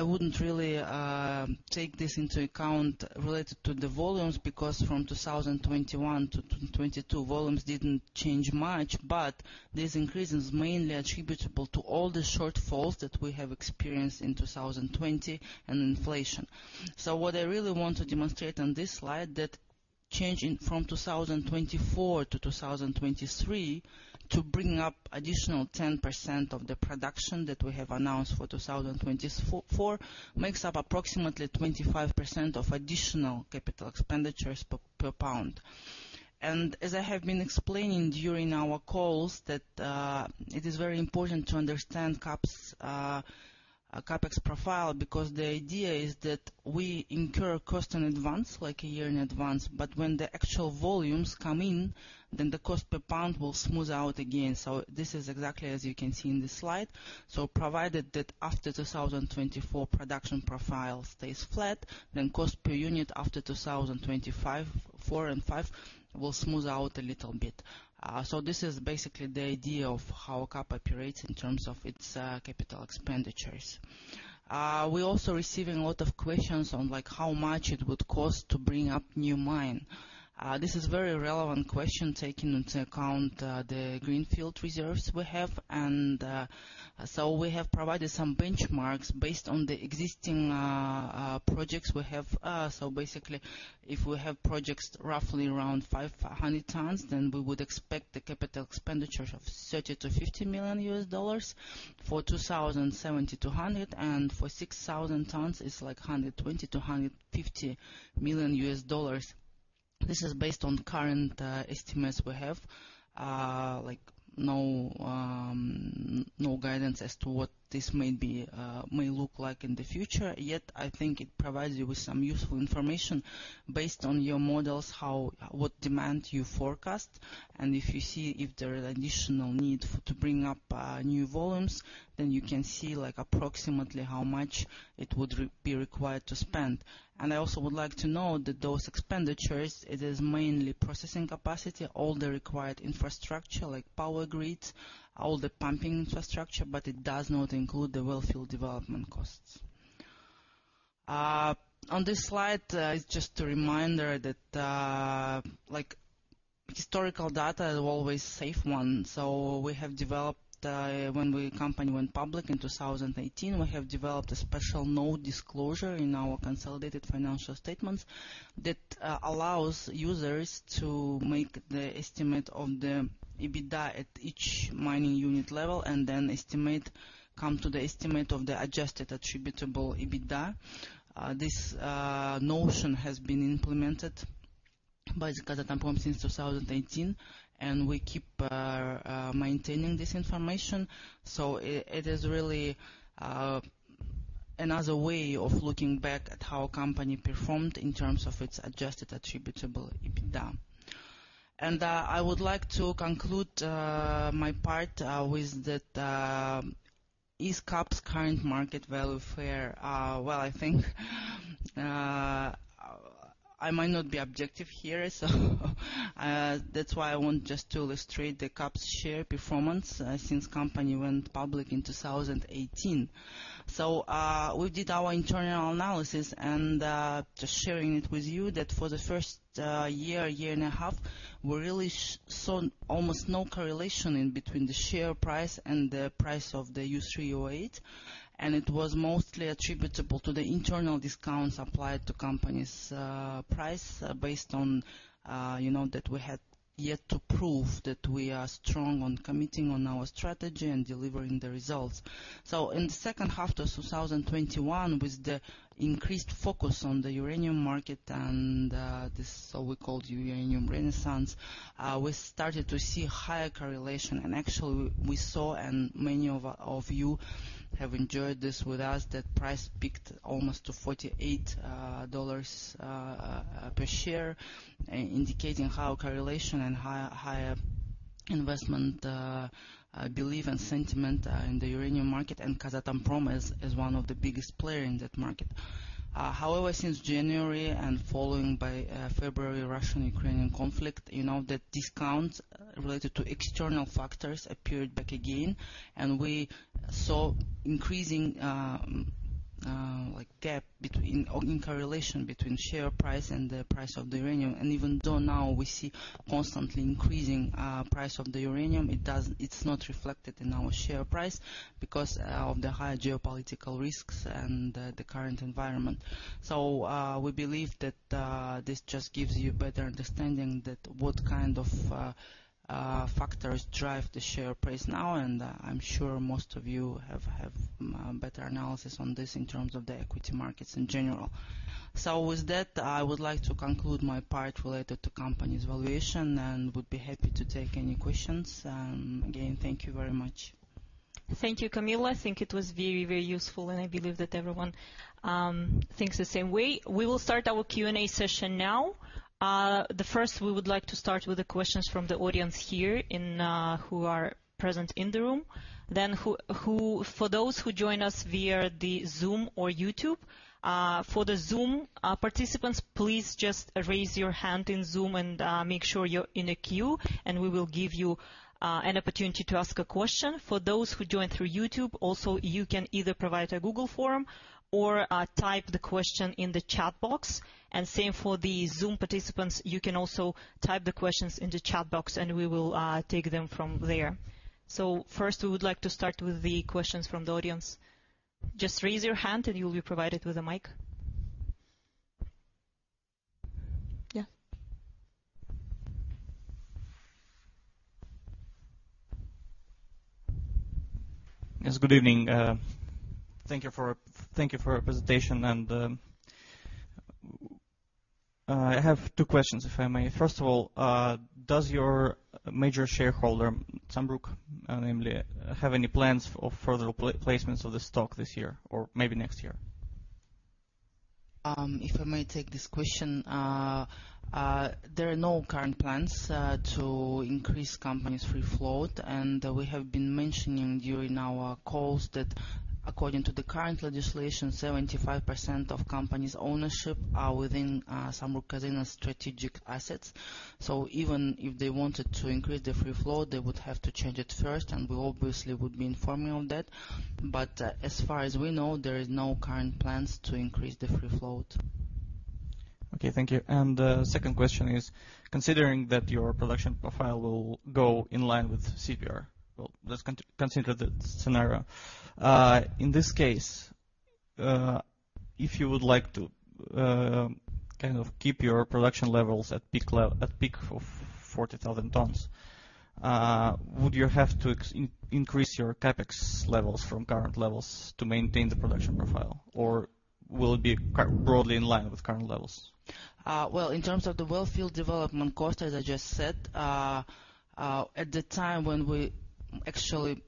Speaker 5: wouldn't really take this into account related to the volumes, because from 2021 to 2022, volumes didn't change much. This increase is mainly attributable to all the shortfalls that we have experienced in 2020 and inflation. What I really want to demonstrate on this slide, that changing from 2023 to 2024 to bring up additional 10% of the production that we have announced for 2024 makes up approximately 25% of additional capital expenditures per pound. As I have been explaining during our calls that it is very important to understand KAP's CapEx profile, because the idea is that we incur cost in advance, like a year in advance. When the actual volumes come in, then the cost per pound will smooth out again. This is exactly as you can see in the slide. Provided that after 2024 production profile stays flat, then cost per unit after 2025, 2026 and 2027 will smooth out a little bit. This is basically the idea of how a KAP operates in terms of its capital expenditures. We're also receiving a lot of questions on, like, how much it would cost to bring up new mine. This is very relevant question, taking into account the greenfield reserves we have. We have provided some benchmarks based on the existing projects we have. Basically if we have projects roughly around 500 tons, then we would expect the capital expenditures of $30 million-$50 million. For 2,000 from 70 million-100 million. For 6,000 tons, it's like $120 million-$150 million. This is based on current estimates we have. Like, no guidance as to what this may be, may look like in the future. Yet, I think it provides you with some useful information based on your models, what demand you forecast. If you see if there are additional need to bring up new volumes, then you can see, like, approximately how much it would be required to spend. I also would like to note that those expenditures, it is mainly processing capacity, all the required infrastructure, like power grids, all the pumping infrastructure, but it does not include the well field development costs. On this slide, just a reminder that, like, historical data is always safe one. We have developed a special note disclosure in our consolidated financial statements that allows users to make the estimate of the EBITDA at each mining unit level, and then come to the estimate of the adjusted attributable EBITDA. This notion has been implemented by Kazatomprom since 2018, and we keep maintaining this information. It is really another way of looking back at how a Company performed in terms of its adjusted attributable EBITDA. I would like to conclude my part with that. Is KAP's current market value fair? Well, I think I might not be objective here, so that's why I want just to illustrate the KAP's share performance since Company went public in 2018. We did our internal analysis, and just sharing it with you that for the first year and a half, we really saw almost no correlation between the share price and the price of the U3O8, and it was mostly attributable to the internal discounts applied to company's price based on you know that we had yet to prove that we are strong on committing on our strategy and delivering the results. In the second half of 2021, with the increased focus on the uranium market and this so-called uranium renaissance, we started to see higher correlation. Actually we saw, and many of you have enjoyed this with us, that price peaked almost to $48 per share, indicating high correlation and higher investment belief and sentiment in the uranium market, and Kazatomprom is one of the biggest player in that market. However, since January and following by February Russian-Ukrainian conflict, you know that discounts related to external factors appeared back again. We saw increasing like gap between organic correlation between share price and the price of the uranium. Even though now we see constantly increasing price of the uranium, it's not reflected in our share price because of the high geopolitical risks and the current environment. We believe that this just gives you better understanding that what kind of factors drive the share price now, and I'm sure most of you have better analysis on this in terms of the equity markets in general. With that, I would like to conclude my part related to Company's valuation and would be happy to take any questions. Again, thank you very much.
Speaker 6: Thank you, Kamila. I think it was very, very useful, and I believe that everyone thinks the same way. We will start our Q&A session now. The first we would like to start with the questions from the audience here in who are present in the room. Then, for those who join us via the Zoom or YouTube, for the Zoom participants, please just raise your hand in Zoom and make sure you're in a queue, and we will give you an opportunity to ask a question. For those who join through YouTube, also, you can either provide a Google Form or type the question in the chat box. Same for the Zoom participants. You can also type the questions in the chat box, and we will take them from there. First, we would like to start with the questions from the audience. Just raise your hand and you'll be provided with a mic. Yeah.
Speaker 7: Yes. Good evening. Thank you for your presentation. I have two questions, if I may. First of all, does your major shareholder, Samruk, namely, have any plans for further placements of the stock this year or maybe next year?
Speaker 5: If I may take this question. There are no current plans to increase Company's free float. We have been mentioning during our calls that according to the current legislation, 75% of Company's ownership are within Samruk-Kazyna strategic assets. Even if they wanted to increase the free float, they would have to change it first, and we obviously would be informing of that. As far as we know, there is no current plans to increase the free float.
Speaker 7: Okay. Thank you. The second question is, considering that your production profile will go in line with CPR. Well, let's consider that scenario. In this case, if you would like to kind of keep your production levels at peak of 40,000 tons Would you have to increase your CapEx levels from current levels to maintain the production profile? Or will it be broadly in line with current levels?
Speaker 5: Well, in terms of the well field development cost, as I just said, at the time when we actually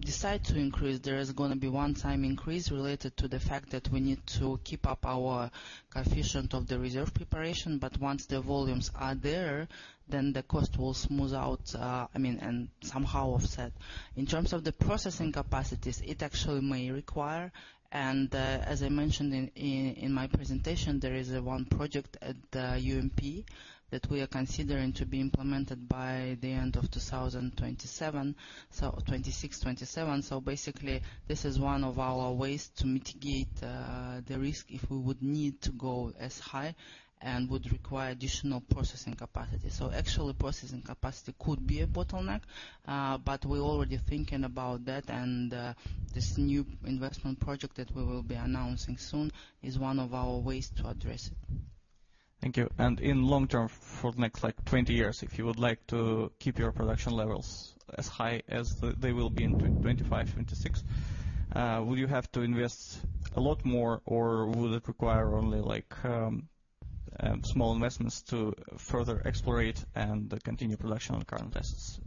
Speaker 5: decide to increase, there is gonna be one-time increase related to the fact that we need to keep up our coefficient of the reserve preparation. Once the volumes are there, then the cost will smooth out, I mean, and somehow offset. In terms of the processing capacities, it actually may require, and as I mentioned in my presentation, there is one project at UMP that we are considering to be implemented by the end of 2027. 2026, 2027. Basically, this is one of our ways to mitigate the risk if we would need to go as high and would require additional processing capacity. Actually, processing capacity could be a bottleneck, but we're already thinking about that, and this new investment project that we will be announcing soon is one of our ways to address it.
Speaker 7: Thank you. In long term, for the next, like, 20 years, if you would like to keep your production levels as high as they will be in 2025, 2026, will you have to invest a lot more, or will it require only, like, small investments to further explore it and then continue production on current tests?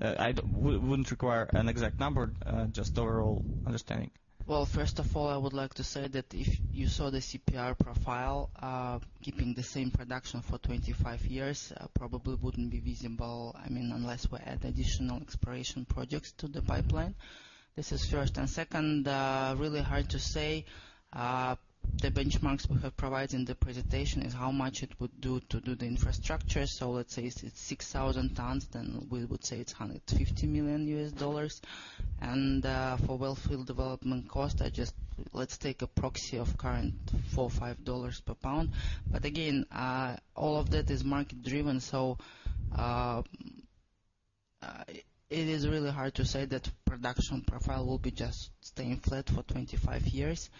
Speaker 7: I wouldn't require an exact number, just overall understanding.
Speaker 5: Well, first of all, I would like to say that if you saw the CPR profile, keeping the same production for 25 years, probably wouldn't be visible. I mean, unless we add additional exploration projects to the pipeline. This is first. Second, really hard to say. The benchmarks we have provided in the presentation is how much it would cost to do the infrastructure. Let's say it's 6,000 tons, then we would say it's $150 million. For well field development cost, let's take a proxy of current $4-$5 per pound. But again, all of that is market-driven, so it is really hard to say that production profile will be just staying flat for 25 years.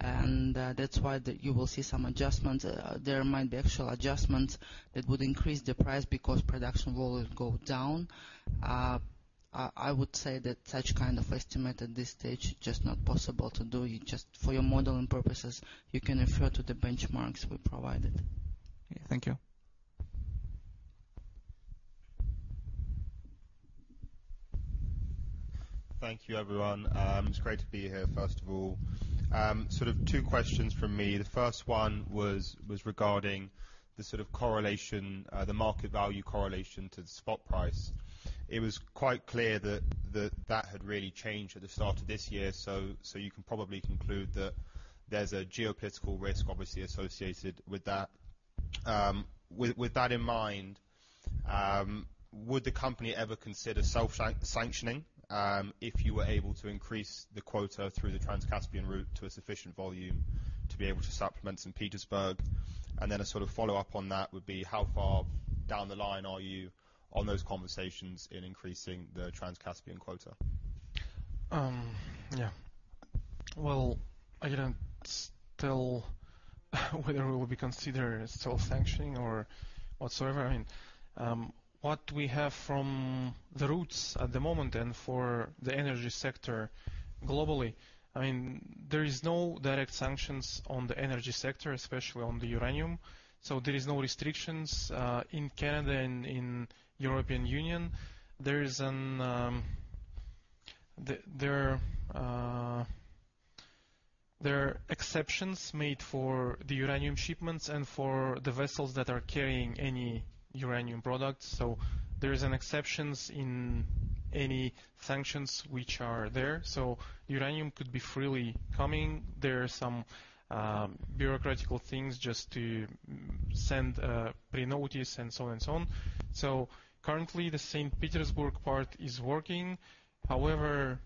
Speaker 5: That's why you will see some adjustments. There might be actual adjustments that would increase the price because production will go down. I would say that such kind of estimate at this stage is just not possible to do. For your modeling purposes, you can refer to the benchmarks we provided.
Speaker 7: Thank you.
Speaker 8: Thank you, everyone. It's great to be here, first of all. Sort of two questions from me. The first one was regarding the sort of correlation, the market value correlation to the spot price. It was quite clear that that had really changed at the start of this year. You can probably conclude that there's a geopolitical risk obviously associated with that. With that in mind, would the Company ever consider self-sanctioning, if you were able to increase the quota through the Trans-Caspian route to a sufficient volume to be able to supplement St. Petersburg? Then a sort of follow-up on that would be, how far down the line are you on those conversations in increasing the Trans-Caspian quota?
Speaker 4: Yeah. Well, I don't know whether we will be considered self-sanctioning or whatsoever. I mean, what we have from the routes at the moment and for the energy sector globally, I mean, there is no direct sanctions on the energy sector, especially on the uranium. There is no restrictions in Canada and in European Union. There are exceptions made for the uranium shipments and for the vessels that are carrying any uranium products. There are exceptions in any sanctions which are there. Uranium could be freely coming. There are some bureaucratic things just to send pre-notice and so on. Currently, the St. Petersburg part is working. However,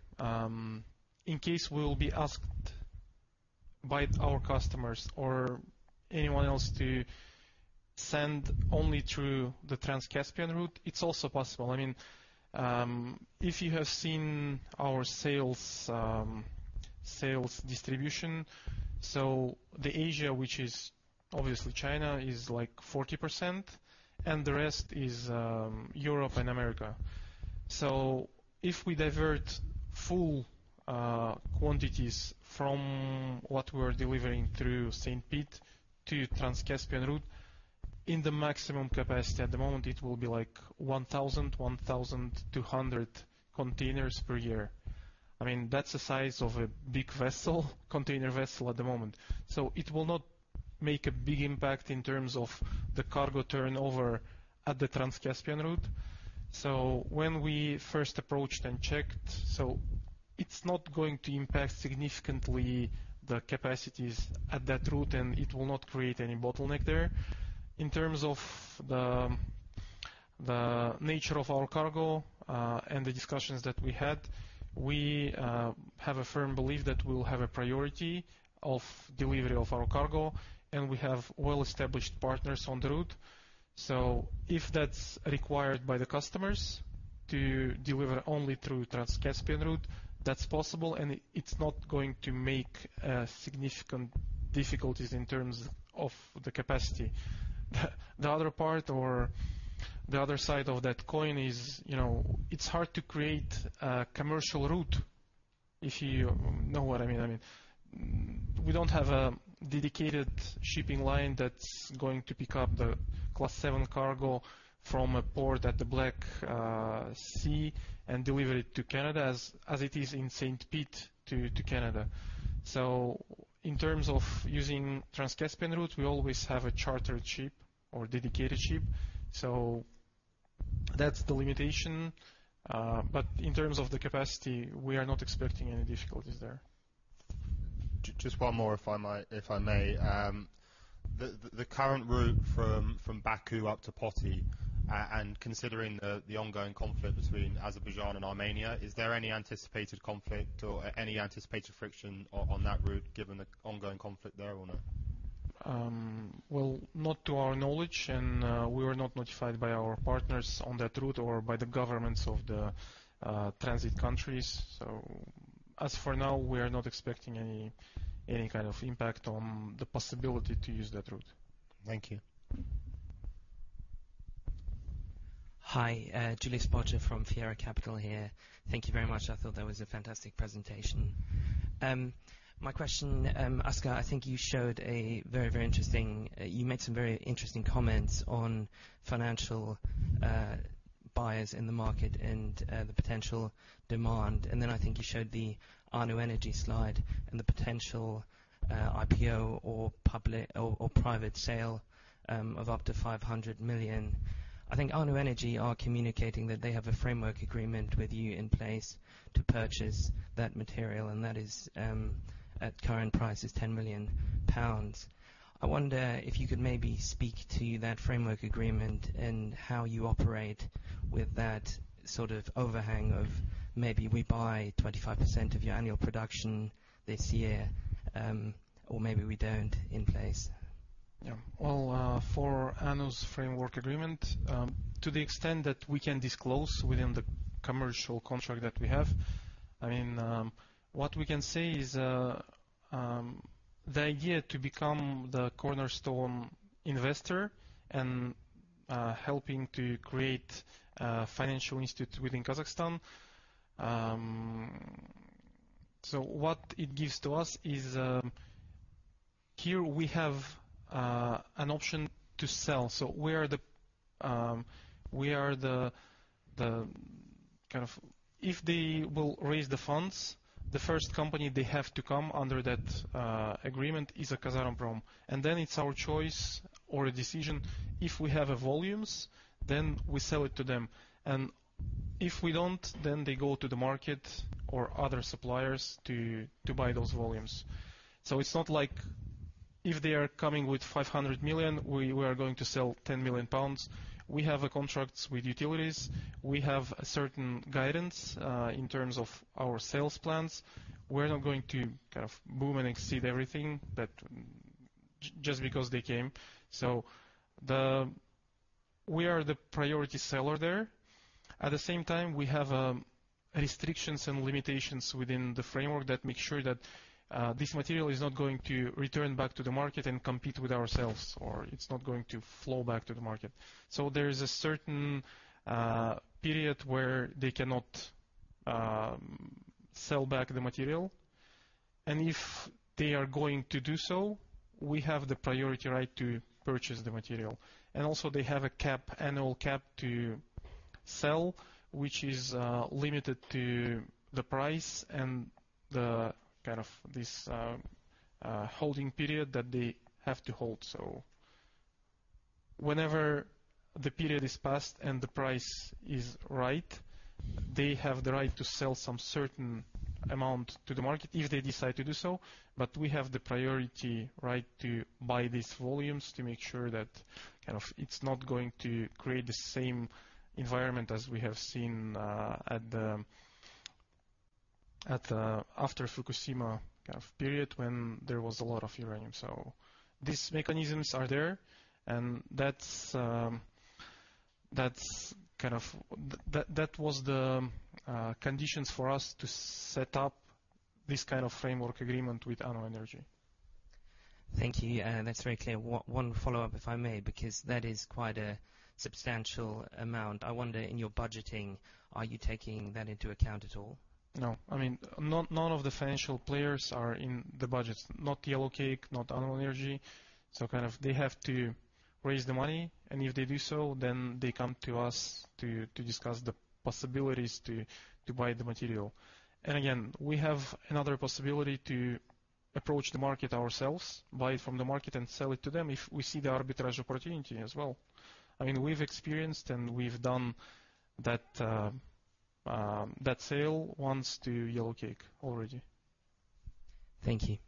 Speaker 4: in case we will be asked by our customers or anyone else to send only through the Trans-Caspian route, it's also possible. I mean, if you have seen our sales distribution. Asia, which is obviously China, is like 40%, and the rest is Europe and America. If we divert full quantities from what we're delivering through St. Pete to Trans-Caspian route, in the maximum capacity at the moment, it will be like 1,200 containers per year. I mean, that's the size of a big vessel, container vessel at the moment. It will not make a big impact in terms of the cargo turnover at the Trans-Caspian route. When we first approached and checked, it's not going to impact significantly the capacities at that route, and it will not create any bottleneck there. In terms of the nature of our cargo and the discussions that we had, we have a firm belief that we will have a priority of delivery of our cargo, and we have well-established partners on the route. If that's required by the customers to deliver only through Trans-Caspian route, that's possible, and it's not going to make significant difficulties in terms of the capacity. The other part or the other side of that coin is, you know, it's hard to create a commercial route, if you know what I mean. I mean, we don't have a dedicated shipping line that's going to pick up the Class 7 cargo from a port at the Black Sea and deliver it to Canada as it is in St. Pete to Canada. In terms of using Trans-Caspian Route, we always have a charter ship or dedicated ship, so that's the limitation. In terms of the capacity, we are not expecting any difficulties there.
Speaker 8: Just one more, if I might, if I may. The current route from Baku up to Poti, and considering the ongoing conflict between Azerbaijan and Armenia, is there any anticipated conflict or any anticipated friction on that route given the ongoing conflict there or no?
Speaker 4: Well, not to our knowledge. We were not notified by our partners on that route or by the governments of the transit countries. As for now, we are not expecting any kind of impact on the possibility to use that route.
Speaker 8: Thank you.
Speaker 9: Hi, Julius Böttcher from Fiera Capital here. Thank you very much. I thought that was a fantastic presentation. My question, Askar. You made some very interesting comments on financial buyers in the market and the potential demand. Then I think you showed the ANU Energy slide and the potential IPO or public or private sale of up to $500 million. I think ANU Energy are communicating that they have a framework agreement with you in place to purchase that material and that is at current price 10 million pounds. I wonder if you could maybe speak to that framework agreement and how you operate with that sort of overhang of maybe we buy 25% of your annual production this year or maybe we don't in place.
Speaker 4: Well, for ANU's framework agreement, to the extent that we can disclose within the commercial contract that we have, I mean, what we can say is, the idea to become the cornerstone investor and helping to create a financial institution within Kazakhstan, what it gives to us is here we have an option to sell. If they will raise the funds, the first company they have to come to under that agreement is Kazatomprom, and then it's our choice or a decision. If we have volumes, then we sell it to them, and if we don't, then they go to the market or other suppliers to buy those volumes. It's not like if they are coming with $500 million, we are going to sell 10 million pounds. We have contracts with utilities. We have a certain guidance in terms of our sales plans. We're not going to kind of boom and exceed everything just because they came. We are the priority seller there. At the same time, we have restrictions and limitations within the framework that make sure that this material is not going to return back to the market and compete with ourselves, or it's not going to flow back to the market. There is a certain period where they cannot sell back the material, and if they are going to do so, we have the priority right to purchase the material. Also they have a cap, annual cap to sell, which is limited to the price and the kind of this holding period that they have to hold so. Whenever the period is passed and the price is right, they have the right to sell some certain amount to the market if they decide to do so. We have the priority right to buy these volumes to make sure that, kind of, it's not going to create the same environment as we have seen after Fukushima, kind of, period when there was a lot of uranium. These mechanisms are there. That's kind of that was the conditions for us to set up this kind of framework agreement with ANU Energy.
Speaker 9: Thank you. That's very clear. One follow-up, if I may, because that is quite a substantial amount. I wonder in your budgeting, are you taking that into account at all?
Speaker 4: No. I mean, none of the financial players are in the budgets, not Yellow Cake, not ANU Energy. So kind of they have to raise the money, and if they do so, then they come to us to discuss the possibilities to buy the material. We have another possibility to approach the market ourselves, buy from the market and sell it to them if we see the arbitrage opportunity as well. I mean, we've experienced and we've done that sale once to Yellow Cake already.
Speaker 9: Thank you.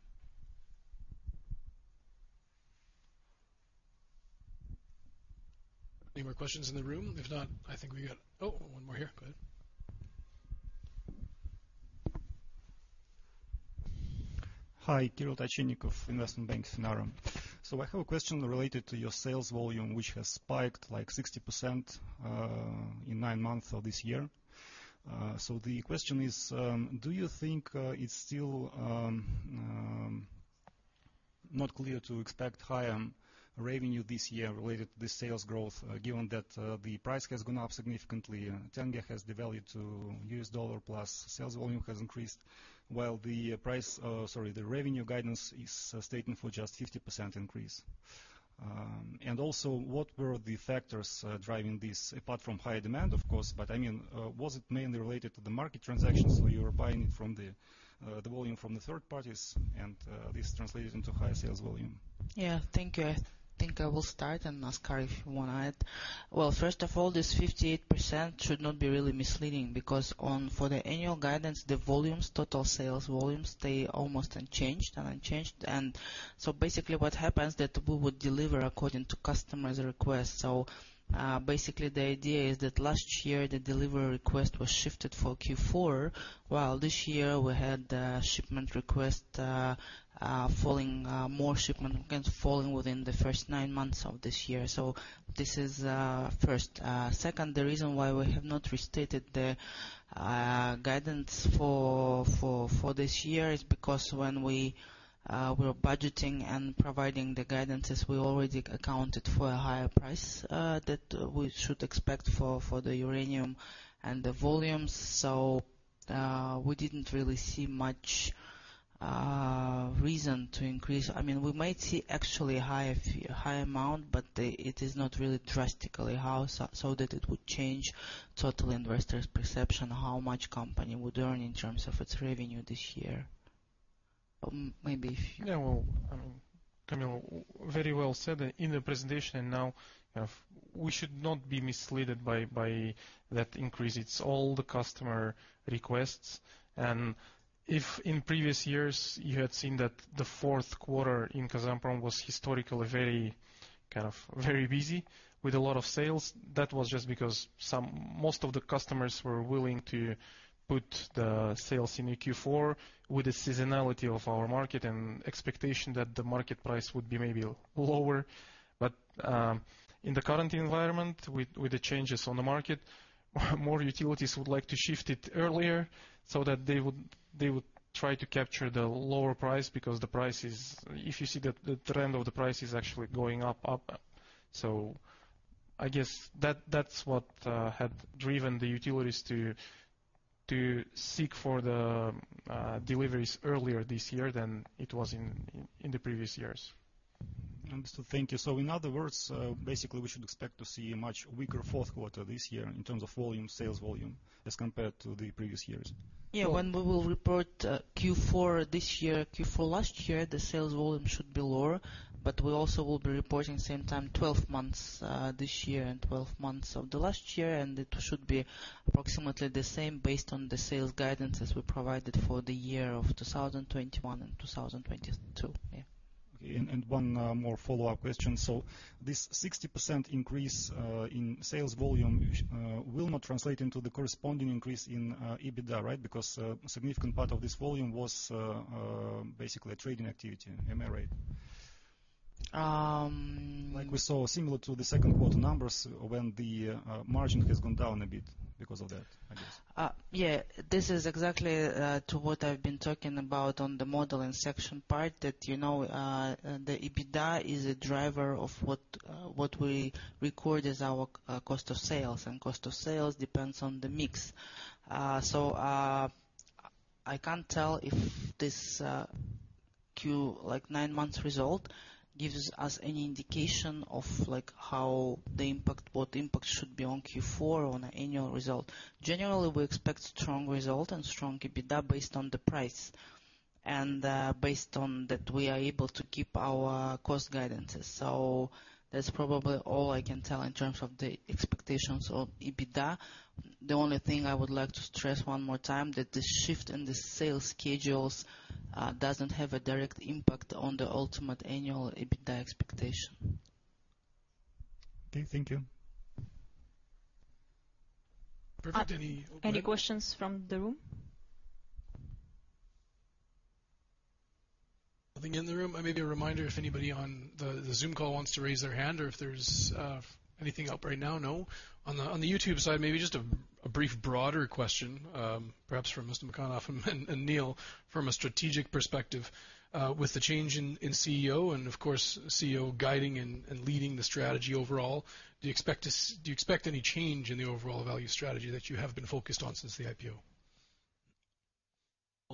Speaker 1: Any more questions in the room? If not, oh, one more here. Go ahead.
Speaker 10: Hi, Kirill Tachennikov, Investment Bank Sinara. I have a question related to your sales volume, which has spiked like 60% in nine months of this year. The question is, do you think it's still not clear to expect higher revenue this year related to the sales growth, given that the price has gone up significantly, tenge has devalued to U.S. dollar plus sales volume has increased, while the revenue guidance is stating for just 50% increase? And also, what were the factors driving this, apart from higher demand, of course, but I mean, was it mainly related to the market transactions where you were buying it from the volume from the third parties and this translated into higher sales volume?
Speaker 5: Yeah. Thank you. I think I will start and ask Askar if you wanna add. Well, first of all, this 58% should not be really misleading because for the annual guidance, the volumes, total sales volumes, they almost unchanged. Basically what happens that we would deliver according to customer's request. Basically the idea is that last year, the delivery request was shifted for Q4, while this year we had the shipment request falling, more shipment kind of falling within the first nine months of this year. This is first. Second, the reason why we have not restated the guidance for this year is because when we were budgeting and providing the guidances, we already accounted for a higher price that we should expect for the uranium and the volumes. We didn't really see much reason to increase. I mean, we might see actually higher amount, but the, it is not really drastically how so that it would change total investors perception how much Company would earn in terms of its revenue this year. Maybe if you.
Speaker 4: Well, I mean, Kamila, very well said. In the presentation now, we should not be misled by that increase. It's all the customer requests. If in previous years you had seen that the fourth quarter in Kazatomprom was historically very, kind of very busy with a lot of sales, that was just because most of the customers were willing to put the sales in the Q4 with the seasonality of our market and expectation that the market price would be maybe lower. In the current environment, with the changes on the market, more utilities would like to shift it earlier so that they would try to capture the lower price because the price is. If you see the trend of the price is actually going up. I guess that's what had driven the utilities to seek for the deliveries earlier this year than it was in the previous years.
Speaker 10: Understood. Thank you. In other words, basically we should expect to see a much weaker fourth quarter this year in terms of volume, sales volume as compared to the previous years?
Speaker 5: Yeah. When we will report Q4 this year, Q4 last year, the sales volume should be lower, but we also will be reporting same time 12 months this year and 12 months of the last year, and it should be approximately the same based on the sales guidances we provided for the year of 2021 and 2022. Yeah.
Speaker 10: Okay. One more follow-up question. This 60% increase in sales volume will not translate into the corresponding increase in EBITDA, right? Because significant part of this volume was basically a trading activity, am I right?
Speaker 5: Um.
Speaker 10: Like we saw similar to the second quarter numbers when the margin has gone down a bit because of that, I guess.
Speaker 5: Yeah. This is exactly what I've been talking about on the modeling section part that, you know, the EBITDA is a driver of what we record as our cost of sales, and cost of sales depends on the mix. I can't tell if this like nine months result gives us any indication of like what impact should be on Q4 on an annual result. Generally, we expect strong result and strong EBITDA based on the price. Based on that, we are able to keep our cost guidances. That's probably all I can tell in terms of the expectations of EBITDA. The only thing I would like to stress one more time, that the shift in the sales schedules doesn't have a direct impact on the ultimate annual EBITDA expectation.
Speaker 10: Okay. Thank you.
Speaker 1: Perfect.
Speaker 6: Any questions from the room?
Speaker 1: Nothing in the room. Maybe a reminder if anybody on the Zoom call wants to raise their hand or if there's anything up right now. No? On the YouTube side, maybe just a brief broader question, perhaps for Mr. Mukanov and Neil, from a strategic perspective. With the change in CEO and of course CEO guiding and leading the strategy overall, do you expect any change in the overall value strategy that you have been focused on since the IPO?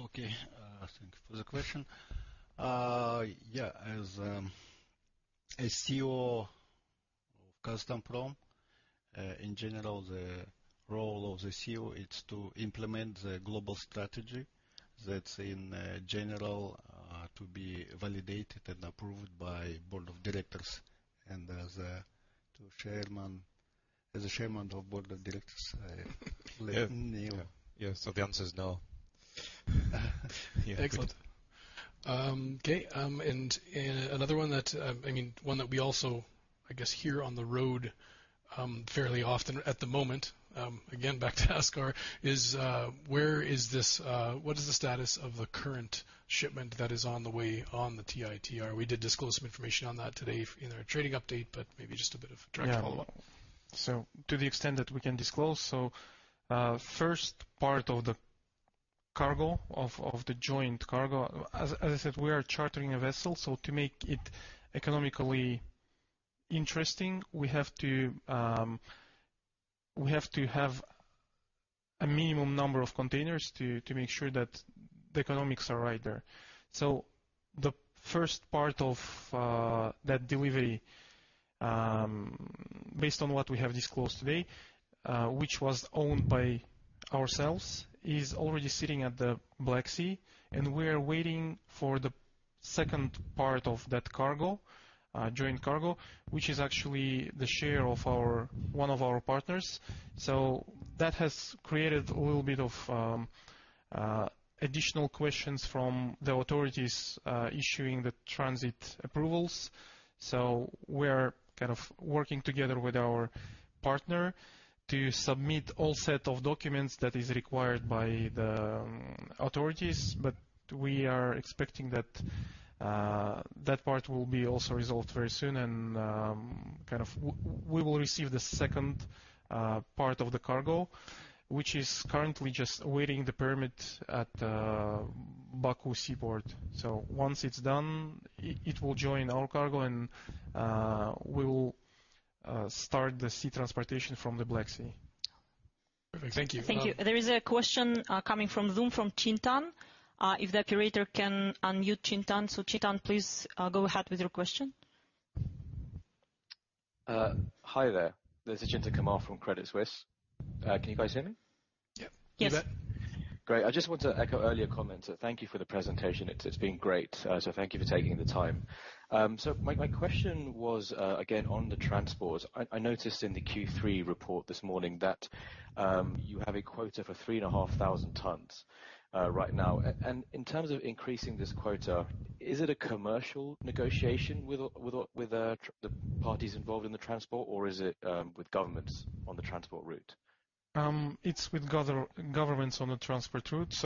Speaker 3: Okay. Thanks for the question. Yeah, as CEO of Kazatomprom, in general, the role of the CEO, it's to implement the global strategy that's in general to be validated and approved by the Board of Directors and as to the Chairman, as the Chairman of the Board of Directors, Neil?
Speaker 2: Yeah. The answer is no.
Speaker 1: Excellent. Okay. Another one that, I mean, one that we also, I guess, hear on the road, fairly often at the moment, again, back to Askar is, what is the status of the current shipment that is on the way on the TITR? We did disclose some information on that today in our trading update, but maybe just a bit of direct follow-up.
Speaker 4: To the extent that we can disclose, first part of the cargo of the joint cargo. As I said, we are chartering a vessel, so to make it economically interesting, we have to have a minimum number of containers to make sure that the economics are right there. The first part of that delivery, based on what we have disclosed today, which was owned by ourselves, is already sitting at the Black Sea, and we are waiting for the second part of that cargo, joint cargo, which is actually the share of one of our partners. That has created a little bit of additional questions from the authorities issuing the transit approvals. We are kind of working together with our partner to submit all set of documents that is required by the authorities. We are expecting that that part will be also resolved very soon and kind of we will receive the second part of the cargo, which is currently just awaiting the permit at Baku Seaport. Once it's done, it will join our cargo and we will start the sea transportation from the Black Sea.
Speaker 1: Perfect. Thank you.
Speaker 6: Thank you. There is a question coming from Zoom from Chintan. If the operator can unmute Chintan. Chintan, please, go ahead with your question.
Speaker 11: Hi there. This is Chintan Khamar from Credit Suisse. Can you guys hear me?
Speaker 1: Yeah.
Speaker 6: Yes.
Speaker 11: Great. I just want to echo earlier comments. Thank you for the presentation. It's been great. Thank you for taking the time. My question was again on the transport. I noticed in the Q3 report this morning that you have a quota for 3,500 tons right now. In terms of increasing this quota, is it a commercial negotiation with the parties involved in the transport, or is it with governments on the transport route?
Speaker 4: It's with governments on the transport route.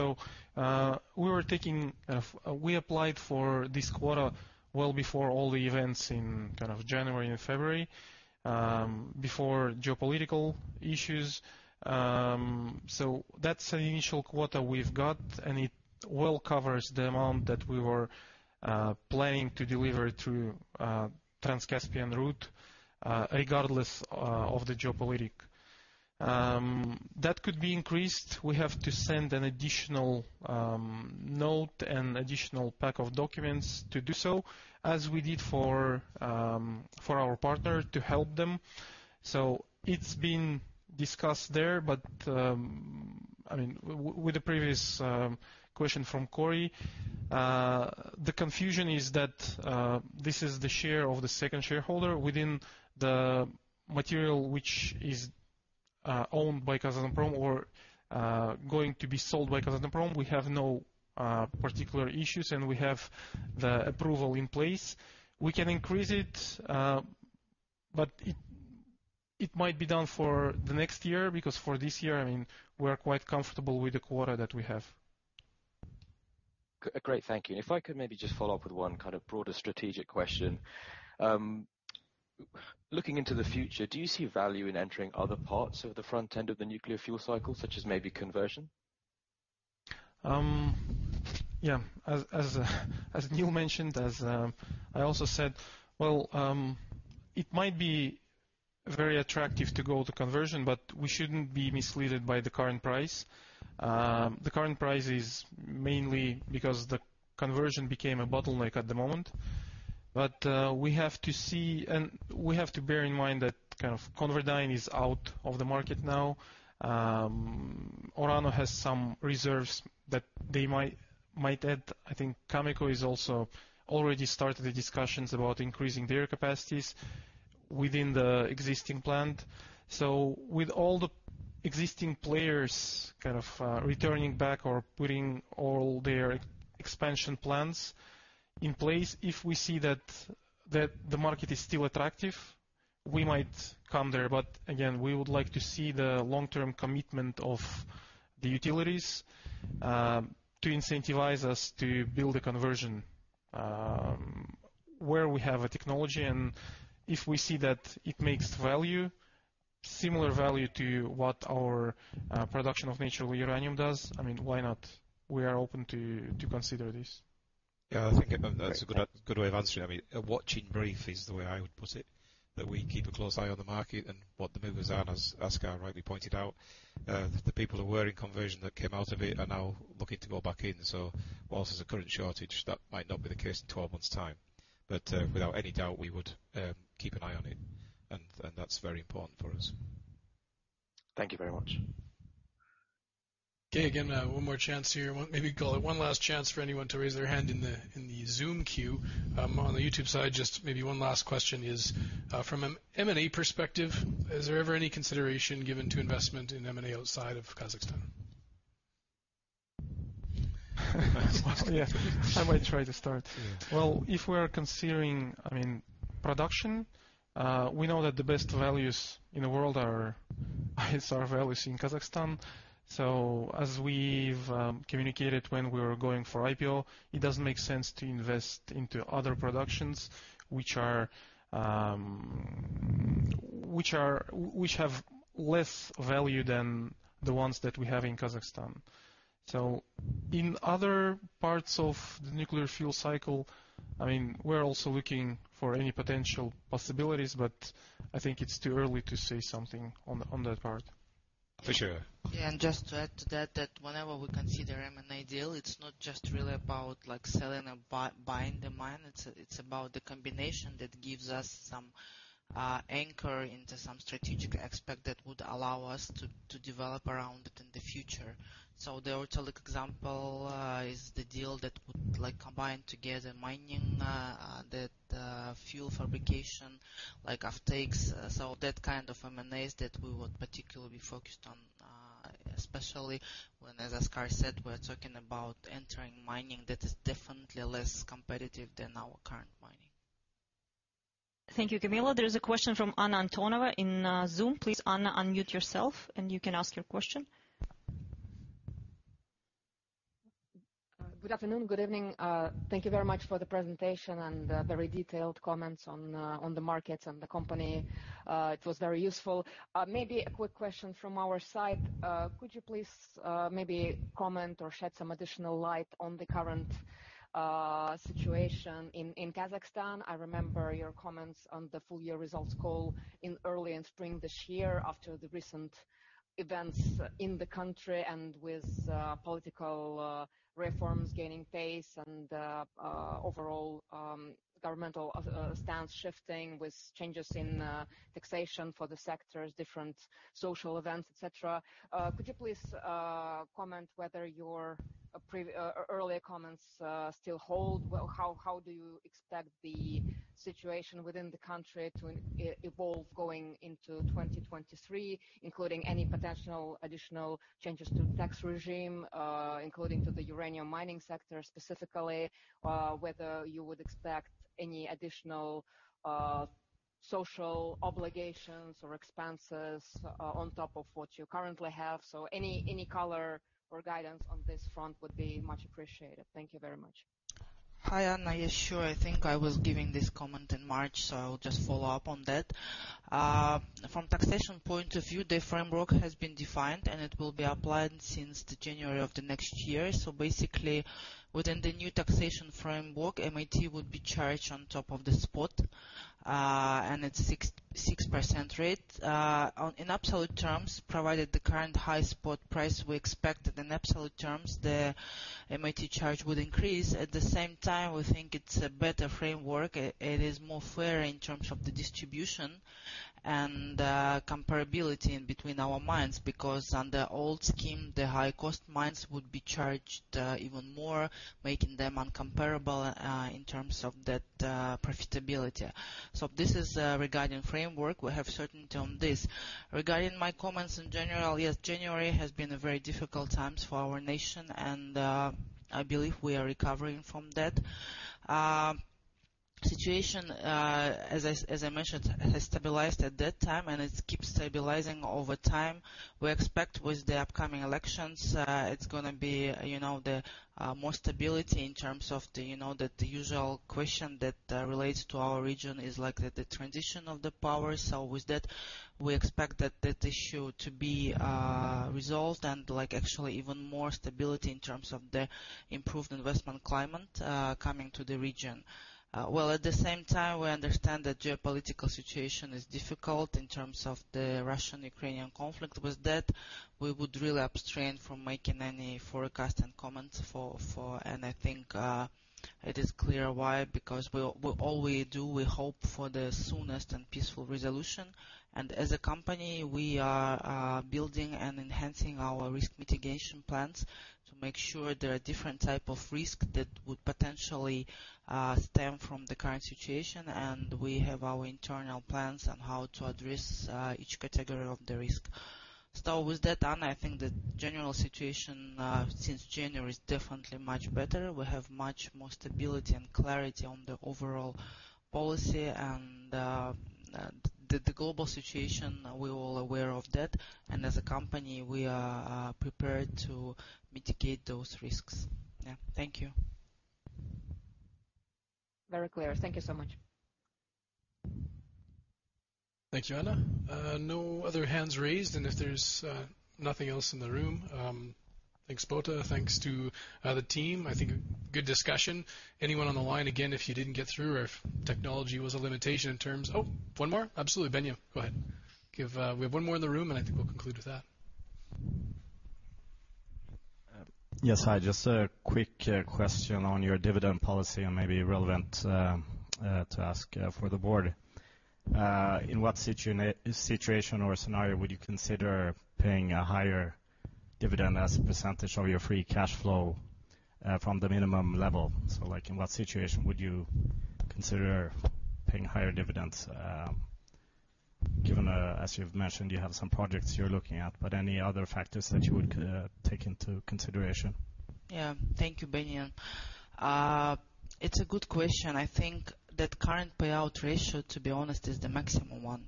Speaker 4: We applied for this quota well before all the events in kind of January and February, before geopolitical issues. That's the initial quota we've got, and it well covers the amount that we were planning to deliver through Trans-Caspian route, regardless of the geopolitical. That could be increased. We have to send an additional note and additional pack of documents to do so, as we did for our partner to help them. It's been discussed there. I mean, with the previous question from Cory, the confusion is that this is the share of the second shareholder within the material, which is owned by Kazatomprom or going to be sold by Kazatomprom. We have no particular issues, and we have the approval in place. We can increase it, but it might be done for the next year, because for this year, I mean, we are quite comfortable with the quota that we have.
Speaker 11: Great. Thank you. If I could maybe just follow up with one kind of broader strategic question. Looking into the future, do you see value in entering other parts of the front end of the nuclear fuel cycle, such as maybe conversion?
Speaker 4: As Neil mentioned, as I also said, it might be very attractive to go to conversion, but we shouldn't be misguided by the current price. The current price is mainly because the conversion became a bottleneck at the moment. But we have to see, and we have to bear in mind that ConverDyn is out of the market now. Orano has some reserves that they might add. I think Cameco is also already started the discussions about increasing their capacities within the existing plant. With all the existing players kind of returning back or putting all their expansion plans in place, if we see that the market is still attractive, we might come there. We would like to see the long-term commitment of the utilities to incentivize us to build a conversion where we have a technology. If we see that it makes value, similar value to what our production of natural uranium does, I mean, why not? We are open to consider this.
Speaker 2: Yeah. I think that's a good way of answering. I mean, a watch in brief is the way I would put it, that we keep a close eye on the market and what the movers are, and as Askar rightly pointed out, the people who were in conversion that came out of it are now looking to go back in. So while there's a current shortage, that might not be the case in twelve months time. But without any doubt, we would keep an eye on it. And that's very important for us.
Speaker 11: Thank you very much.
Speaker 1: Okay, again, one more chance here. Maybe call it one last chance for anyone to raise their hand in the Zoom queue. On the YouTube side, just maybe one last question is from an M&A perspective, is there ever any consideration given to investment in M&A outside of Kazakhstan?
Speaker 4: Yeah. I might try to start. Well, if we're considering, I mean, production, we know that the best values in the world are, is our values in Kazakhstan. As we've communicated when we were going for IPO, it doesn't make sense to invest into other productions which have less value than the ones that we have in Kazakhstan. In other parts of the nuclear fuel cycle, I mean, we're also looking for any potential possibilities, but I think it's too early to say something on that part.
Speaker 2: For sure.
Speaker 5: Yeah. Just to add to that whenever we consider M&A deal, it's not just really about like selling or buying the mine. It's about the combination that gives us some anchor into some strategic aspect that would allow us to develop around it in the future. The Ortalyk example is the deal that would like combine together mining, that fuel fabrication like offtakes. That kind of M&As that we would particularly be focused on, especially when, as Askar said, we're talking about entering mining that is definitely less competitive than our current mining.
Speaker 6: Thank you, Kamila. There is a question from Anna Antonova in Zoom. Please, Anna, unmute yourself and you can ask your question.
Speaker 12: Good afternoon, good evening. Thank you very much for the presentation and very detailed comments on the markets and the Company. It was very useful. Maybe a quick question from our side. Could you please maybe comment or shed some additional light on the current situation in Kazakhstan? I remember your comments on the full year results call in early spring this year after the recent events in the country and with political reforms gaining pace and overall governmental stance shifting with changes in taxation for the sectors, different social events, et cetera. Could you please comment whether your earlier comments still hold? Well, how do you expect the situation within the country to evolve going into 2023, including any potential additional changes to tax regime, including to the uranium mining sector specifically? Whether you would expect any additional social obligations or expenses on top of what you currently have? Any color or guidance on this front would be much appreciated. Thank you very much.
Speaker 5: Hi, Anna. Yeah, sure. I think I was giving this comment in March, so I'll just follow up on that. From taxation point of view, the framework has been defined, and it will be applied since January of the next year. Basically, within the new taxation framework, MET would be charged on top of the spot, and it's 6% rate. In absolute terms, provided the current high spot price, we expect that in absolute terms, the MET charge would increase. At the same time, we think it's a better framework. It is more fair in terms of the distribution and comparability between our mines. Because under old scheme, the high cost mines would be charged even more, making them incomparable in terms of that profitability. This is regarding framework. We have certainty on this. Regarding my comments in general, yes, January has been a very difficult times for our nation, and I believe we are recovering from that. Situation, as I mentioned, has stabilized at that time, and it keeps stabilizing over time. We expect with the upcoming elections, it's gonna be, you know, the more stability in terms of the, you know, the usual question that relates to our region is like the transition of the power. With that, we expect that issue to be resolved and like actually even more stability in terms of the improved investment climate coming to the region. Well, at the same time, we understand the geopolitical situation is difficult in terms of the Russian-Ukrainian conflict. With that, we would really abstain from making any forecast and comments for. I think it is clear why, because we all do, we hope for the soonest and peaceful resolution. As a Company, we are building and enhancing our risk mitigation plans to make sure there are different type of risk that would potentially stem from the current situation. We have our internal plans on how to address each category of the risk. With that, Anna, I think the general situation since January is definitely much better. We have much more stability and clarity on the overall policy and the global situation, we're all aware of that. As a Company, we are prepared to mitigate those risks. Yeah. Thank you.
Speaker 12: Very clear. Thank you so much.
Speaker 1: Thank you, Anna. No other hands raised, and if there's nothing else in the room, thanks, Bota. Thanks to the team. I think good discussion. Anyone on the line, again, if you didn't get through or if technology was a limitation in terms. Oh, one more? Absolutely. Beniam, go ahead. Give. We have one more in the room, and I think we'll conclude with that.
Speaker 13: Yes. Hi. Just a quick question on your dividend policy and maybe relevant to ask for the board. In what situation or scenario would you consider paying a higher dividend as a percentage of your free cash flow from the minimum level? Like, in what situation would you consider paying higher dividends, given as you've mentioned, you have some projects you're looking at, but any other factors that you would take into consideration?
Speaker 5: Yeah. Thank you, Beniam. It's a good question. I think that current payout ratio, to be honest, is the maximum one.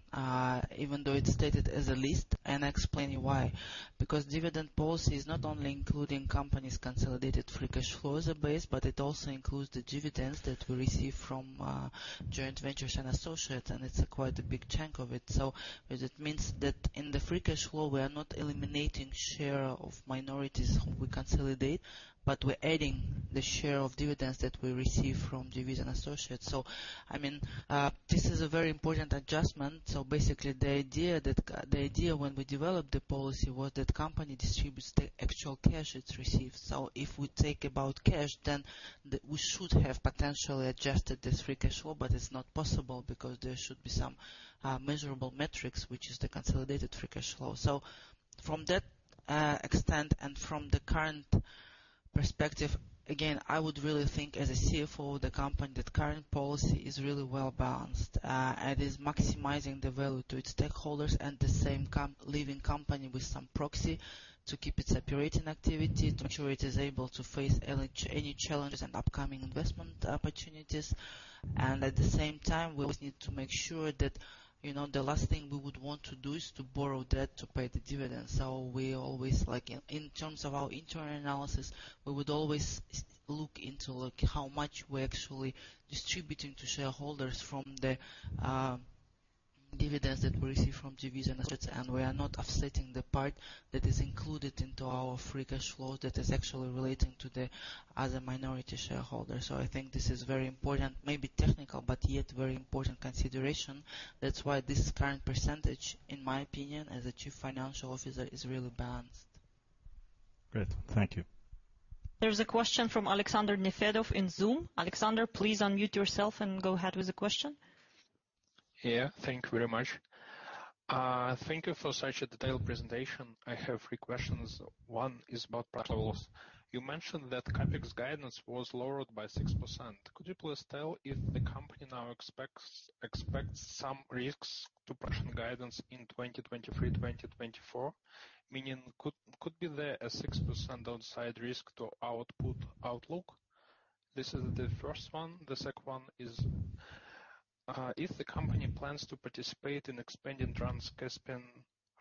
Speaker 5: Even though it's stated as the least, and I'll explain you why. Because dividend policy is not only including Company's consolidated free cash flow as a base, but it also includes the dividends that we receive from joint ventures and associates, and it's quite a big chunk of it. It means that in the free cash flow, we are not eliminating share of minorities who we consolidate, but we're adding the share of dividends that we receive from JV and associates. I mean, this is a very important adjustment. Basically the idea when we developed the policy was that Company distributes the actual cash it receives. If we talk about cash, then the. We should have potentially adjusted this free cash flow, but it's not possible because there should be some measurable metrics, which is the consolidated free cash flow. From that extent and from the current perspective, again, I would really think as a CFO of the Company, that current policy is really well-balanced and is maximizing the value to its stakeholders and the same, leaving the Company with some proxy to keep its operating activity, to ensure it is able to face any challenges and upcoming investment opportunities. At the same time, we always need to make sure that, you know, the last thing we would want to do is to borrow debt to pay the dividends. We always, like, in terms of our internal analysis, we would always look into how much we're actually distributing to shareholders from the dividends that we receive from JVs and associates. We are not offsetting the part that is included into our free cash flows that is actually relating to the other minority shareholders. I think this is very important. Maybe technical, but yet very important consideration. That's why this current percentage, in my opinion, as a Chief Financial Officer, is really balanced.
Speaker 13: Great. Thank you.
Speaker 6: There's a question from Alexander Nefedov in Zoom. Alexander, please unmute yourself and go ahead with the question.
Speaker 14: Yeah. Thank you very much. Thank you for such a detailed presentation. I have three questions. One is about P&L. You mentioned that CapEx guidance was lowered by 6%. Could you please tell if the Company now expects some risks to profit guidance in 2023, 2024? Meaning could be there a 6% downside risk to output outlook? This is the first one. The second one is if the company plans to participate in expanding Trans-Caspian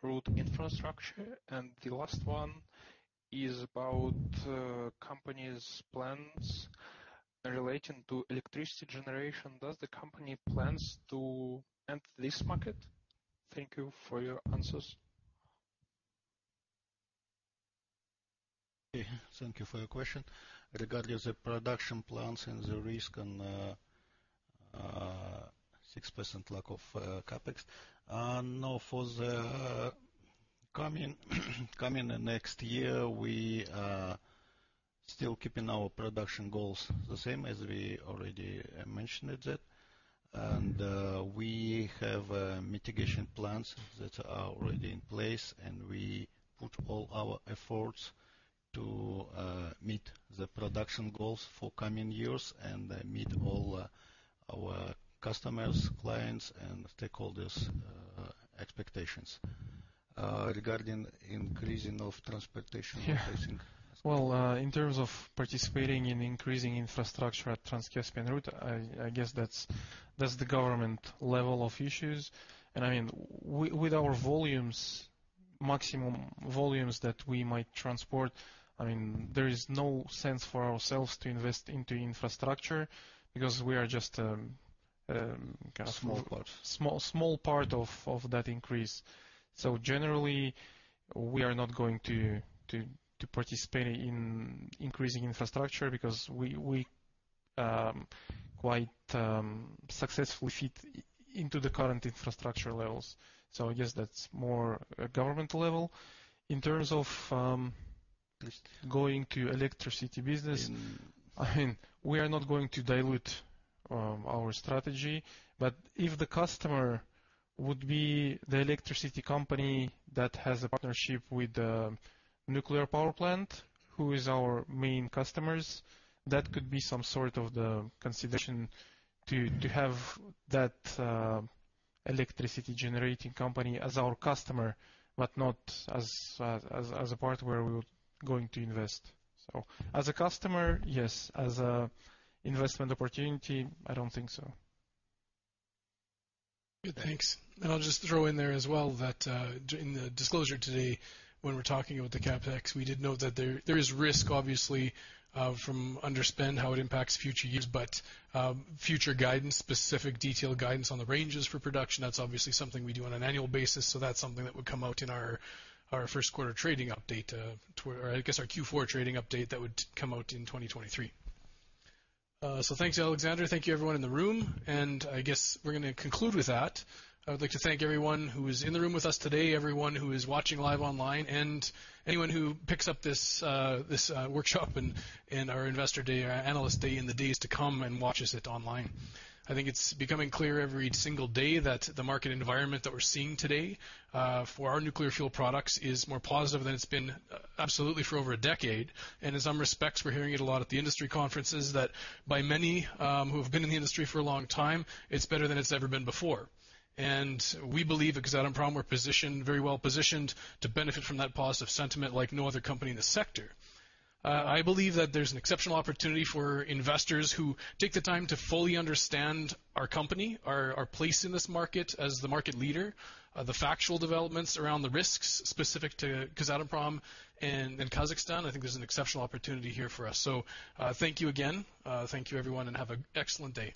Speaker 14: route infrastructure. The last one is about Company's plans relating to electricity generation. Does the company plans to enter this market? Thank you for your answers.
Speaker 3: Thank you for your question. Regarding the production plans and the risk and 6% lack of CapEx. No. For the coming next year, we are still keeping our production goals the same as we already mentioned it. We have mitigation plans that are already in place, and we put all our efforts to meet the production goals for coming years and meet all our customers, clients, and stakeholders expectations. Regarding increasing of transportation.
Speaker 4: Yeah.
Speaker 3: I think.
Speaker 4: Well, in terms of participating in increasing infrastructure at Trans-Caspian route, I guess that's the government level of issues. I mean, with our volumes, maximum volumes that we might transport, I mean, there is no sense for ourselves to invest into infrastructure because we are just
Speaker 3: A small part.
Speaker 4: Small part of that increase. Generally, we are not going to participate in increasing infrastructure because we quite successfully fit into the current infrastructure levels. I guess that's more a government level. In terms of going to electricity business, I mean, we are not going to dilute our strategy. If the customer would be the electricity company that has a partnership with the nuclear power plant, who is our main customers, that could be some sort of the consideration to have that electricity generating company as our customer, but not as a part where we're going to invest. As a customer, yes. As a investment opportunity, I don't think so.
Speaker 1: Good. Thanks. I'll just throw in there as well that, in the disclosure today, when we're talking about the CapEx, we did note that there is risk obviously, from underspend, how it impacts future years. Future guidance, specific detailed guidance on the ranges for production, that's obviously something we do on an annual basis, so that's something that would come out in our first quarter trading update, or I guess our Q4 trading update that would come out in 2023. Thanks, Alexander. Thank you everyone in the room. I guess we're gonna conclude with that. I would like to thank everyone who is in the room with us today, everyone who is watching live online, and anyone who picks up this workshop and our investor day or Analyst Day in the days to come and watches it online. I think it's becoming clear every single day that the market environment that we're seeing today for our nuclear fuel products is more positive than it's been absolutely for over a decade. In some respects, we're hearing it a lot at the industry conferences that by many who have been in the industry for a long time, it's better than it's ever been before. We believe at Kazatomprom we're positioned, very well positioned to benefit from that positive sentiment like no other company in the sector. I believe that there's an exceptional opportunity for investors who take the time to fully understand our Company, our place in this market as the market leader, the factual developments around the risks specific to Kazatomprom in Kazakhstan. I think there's an exceptional opportunity here for us. Thank you again. Thank you everyone, and have an excellent day.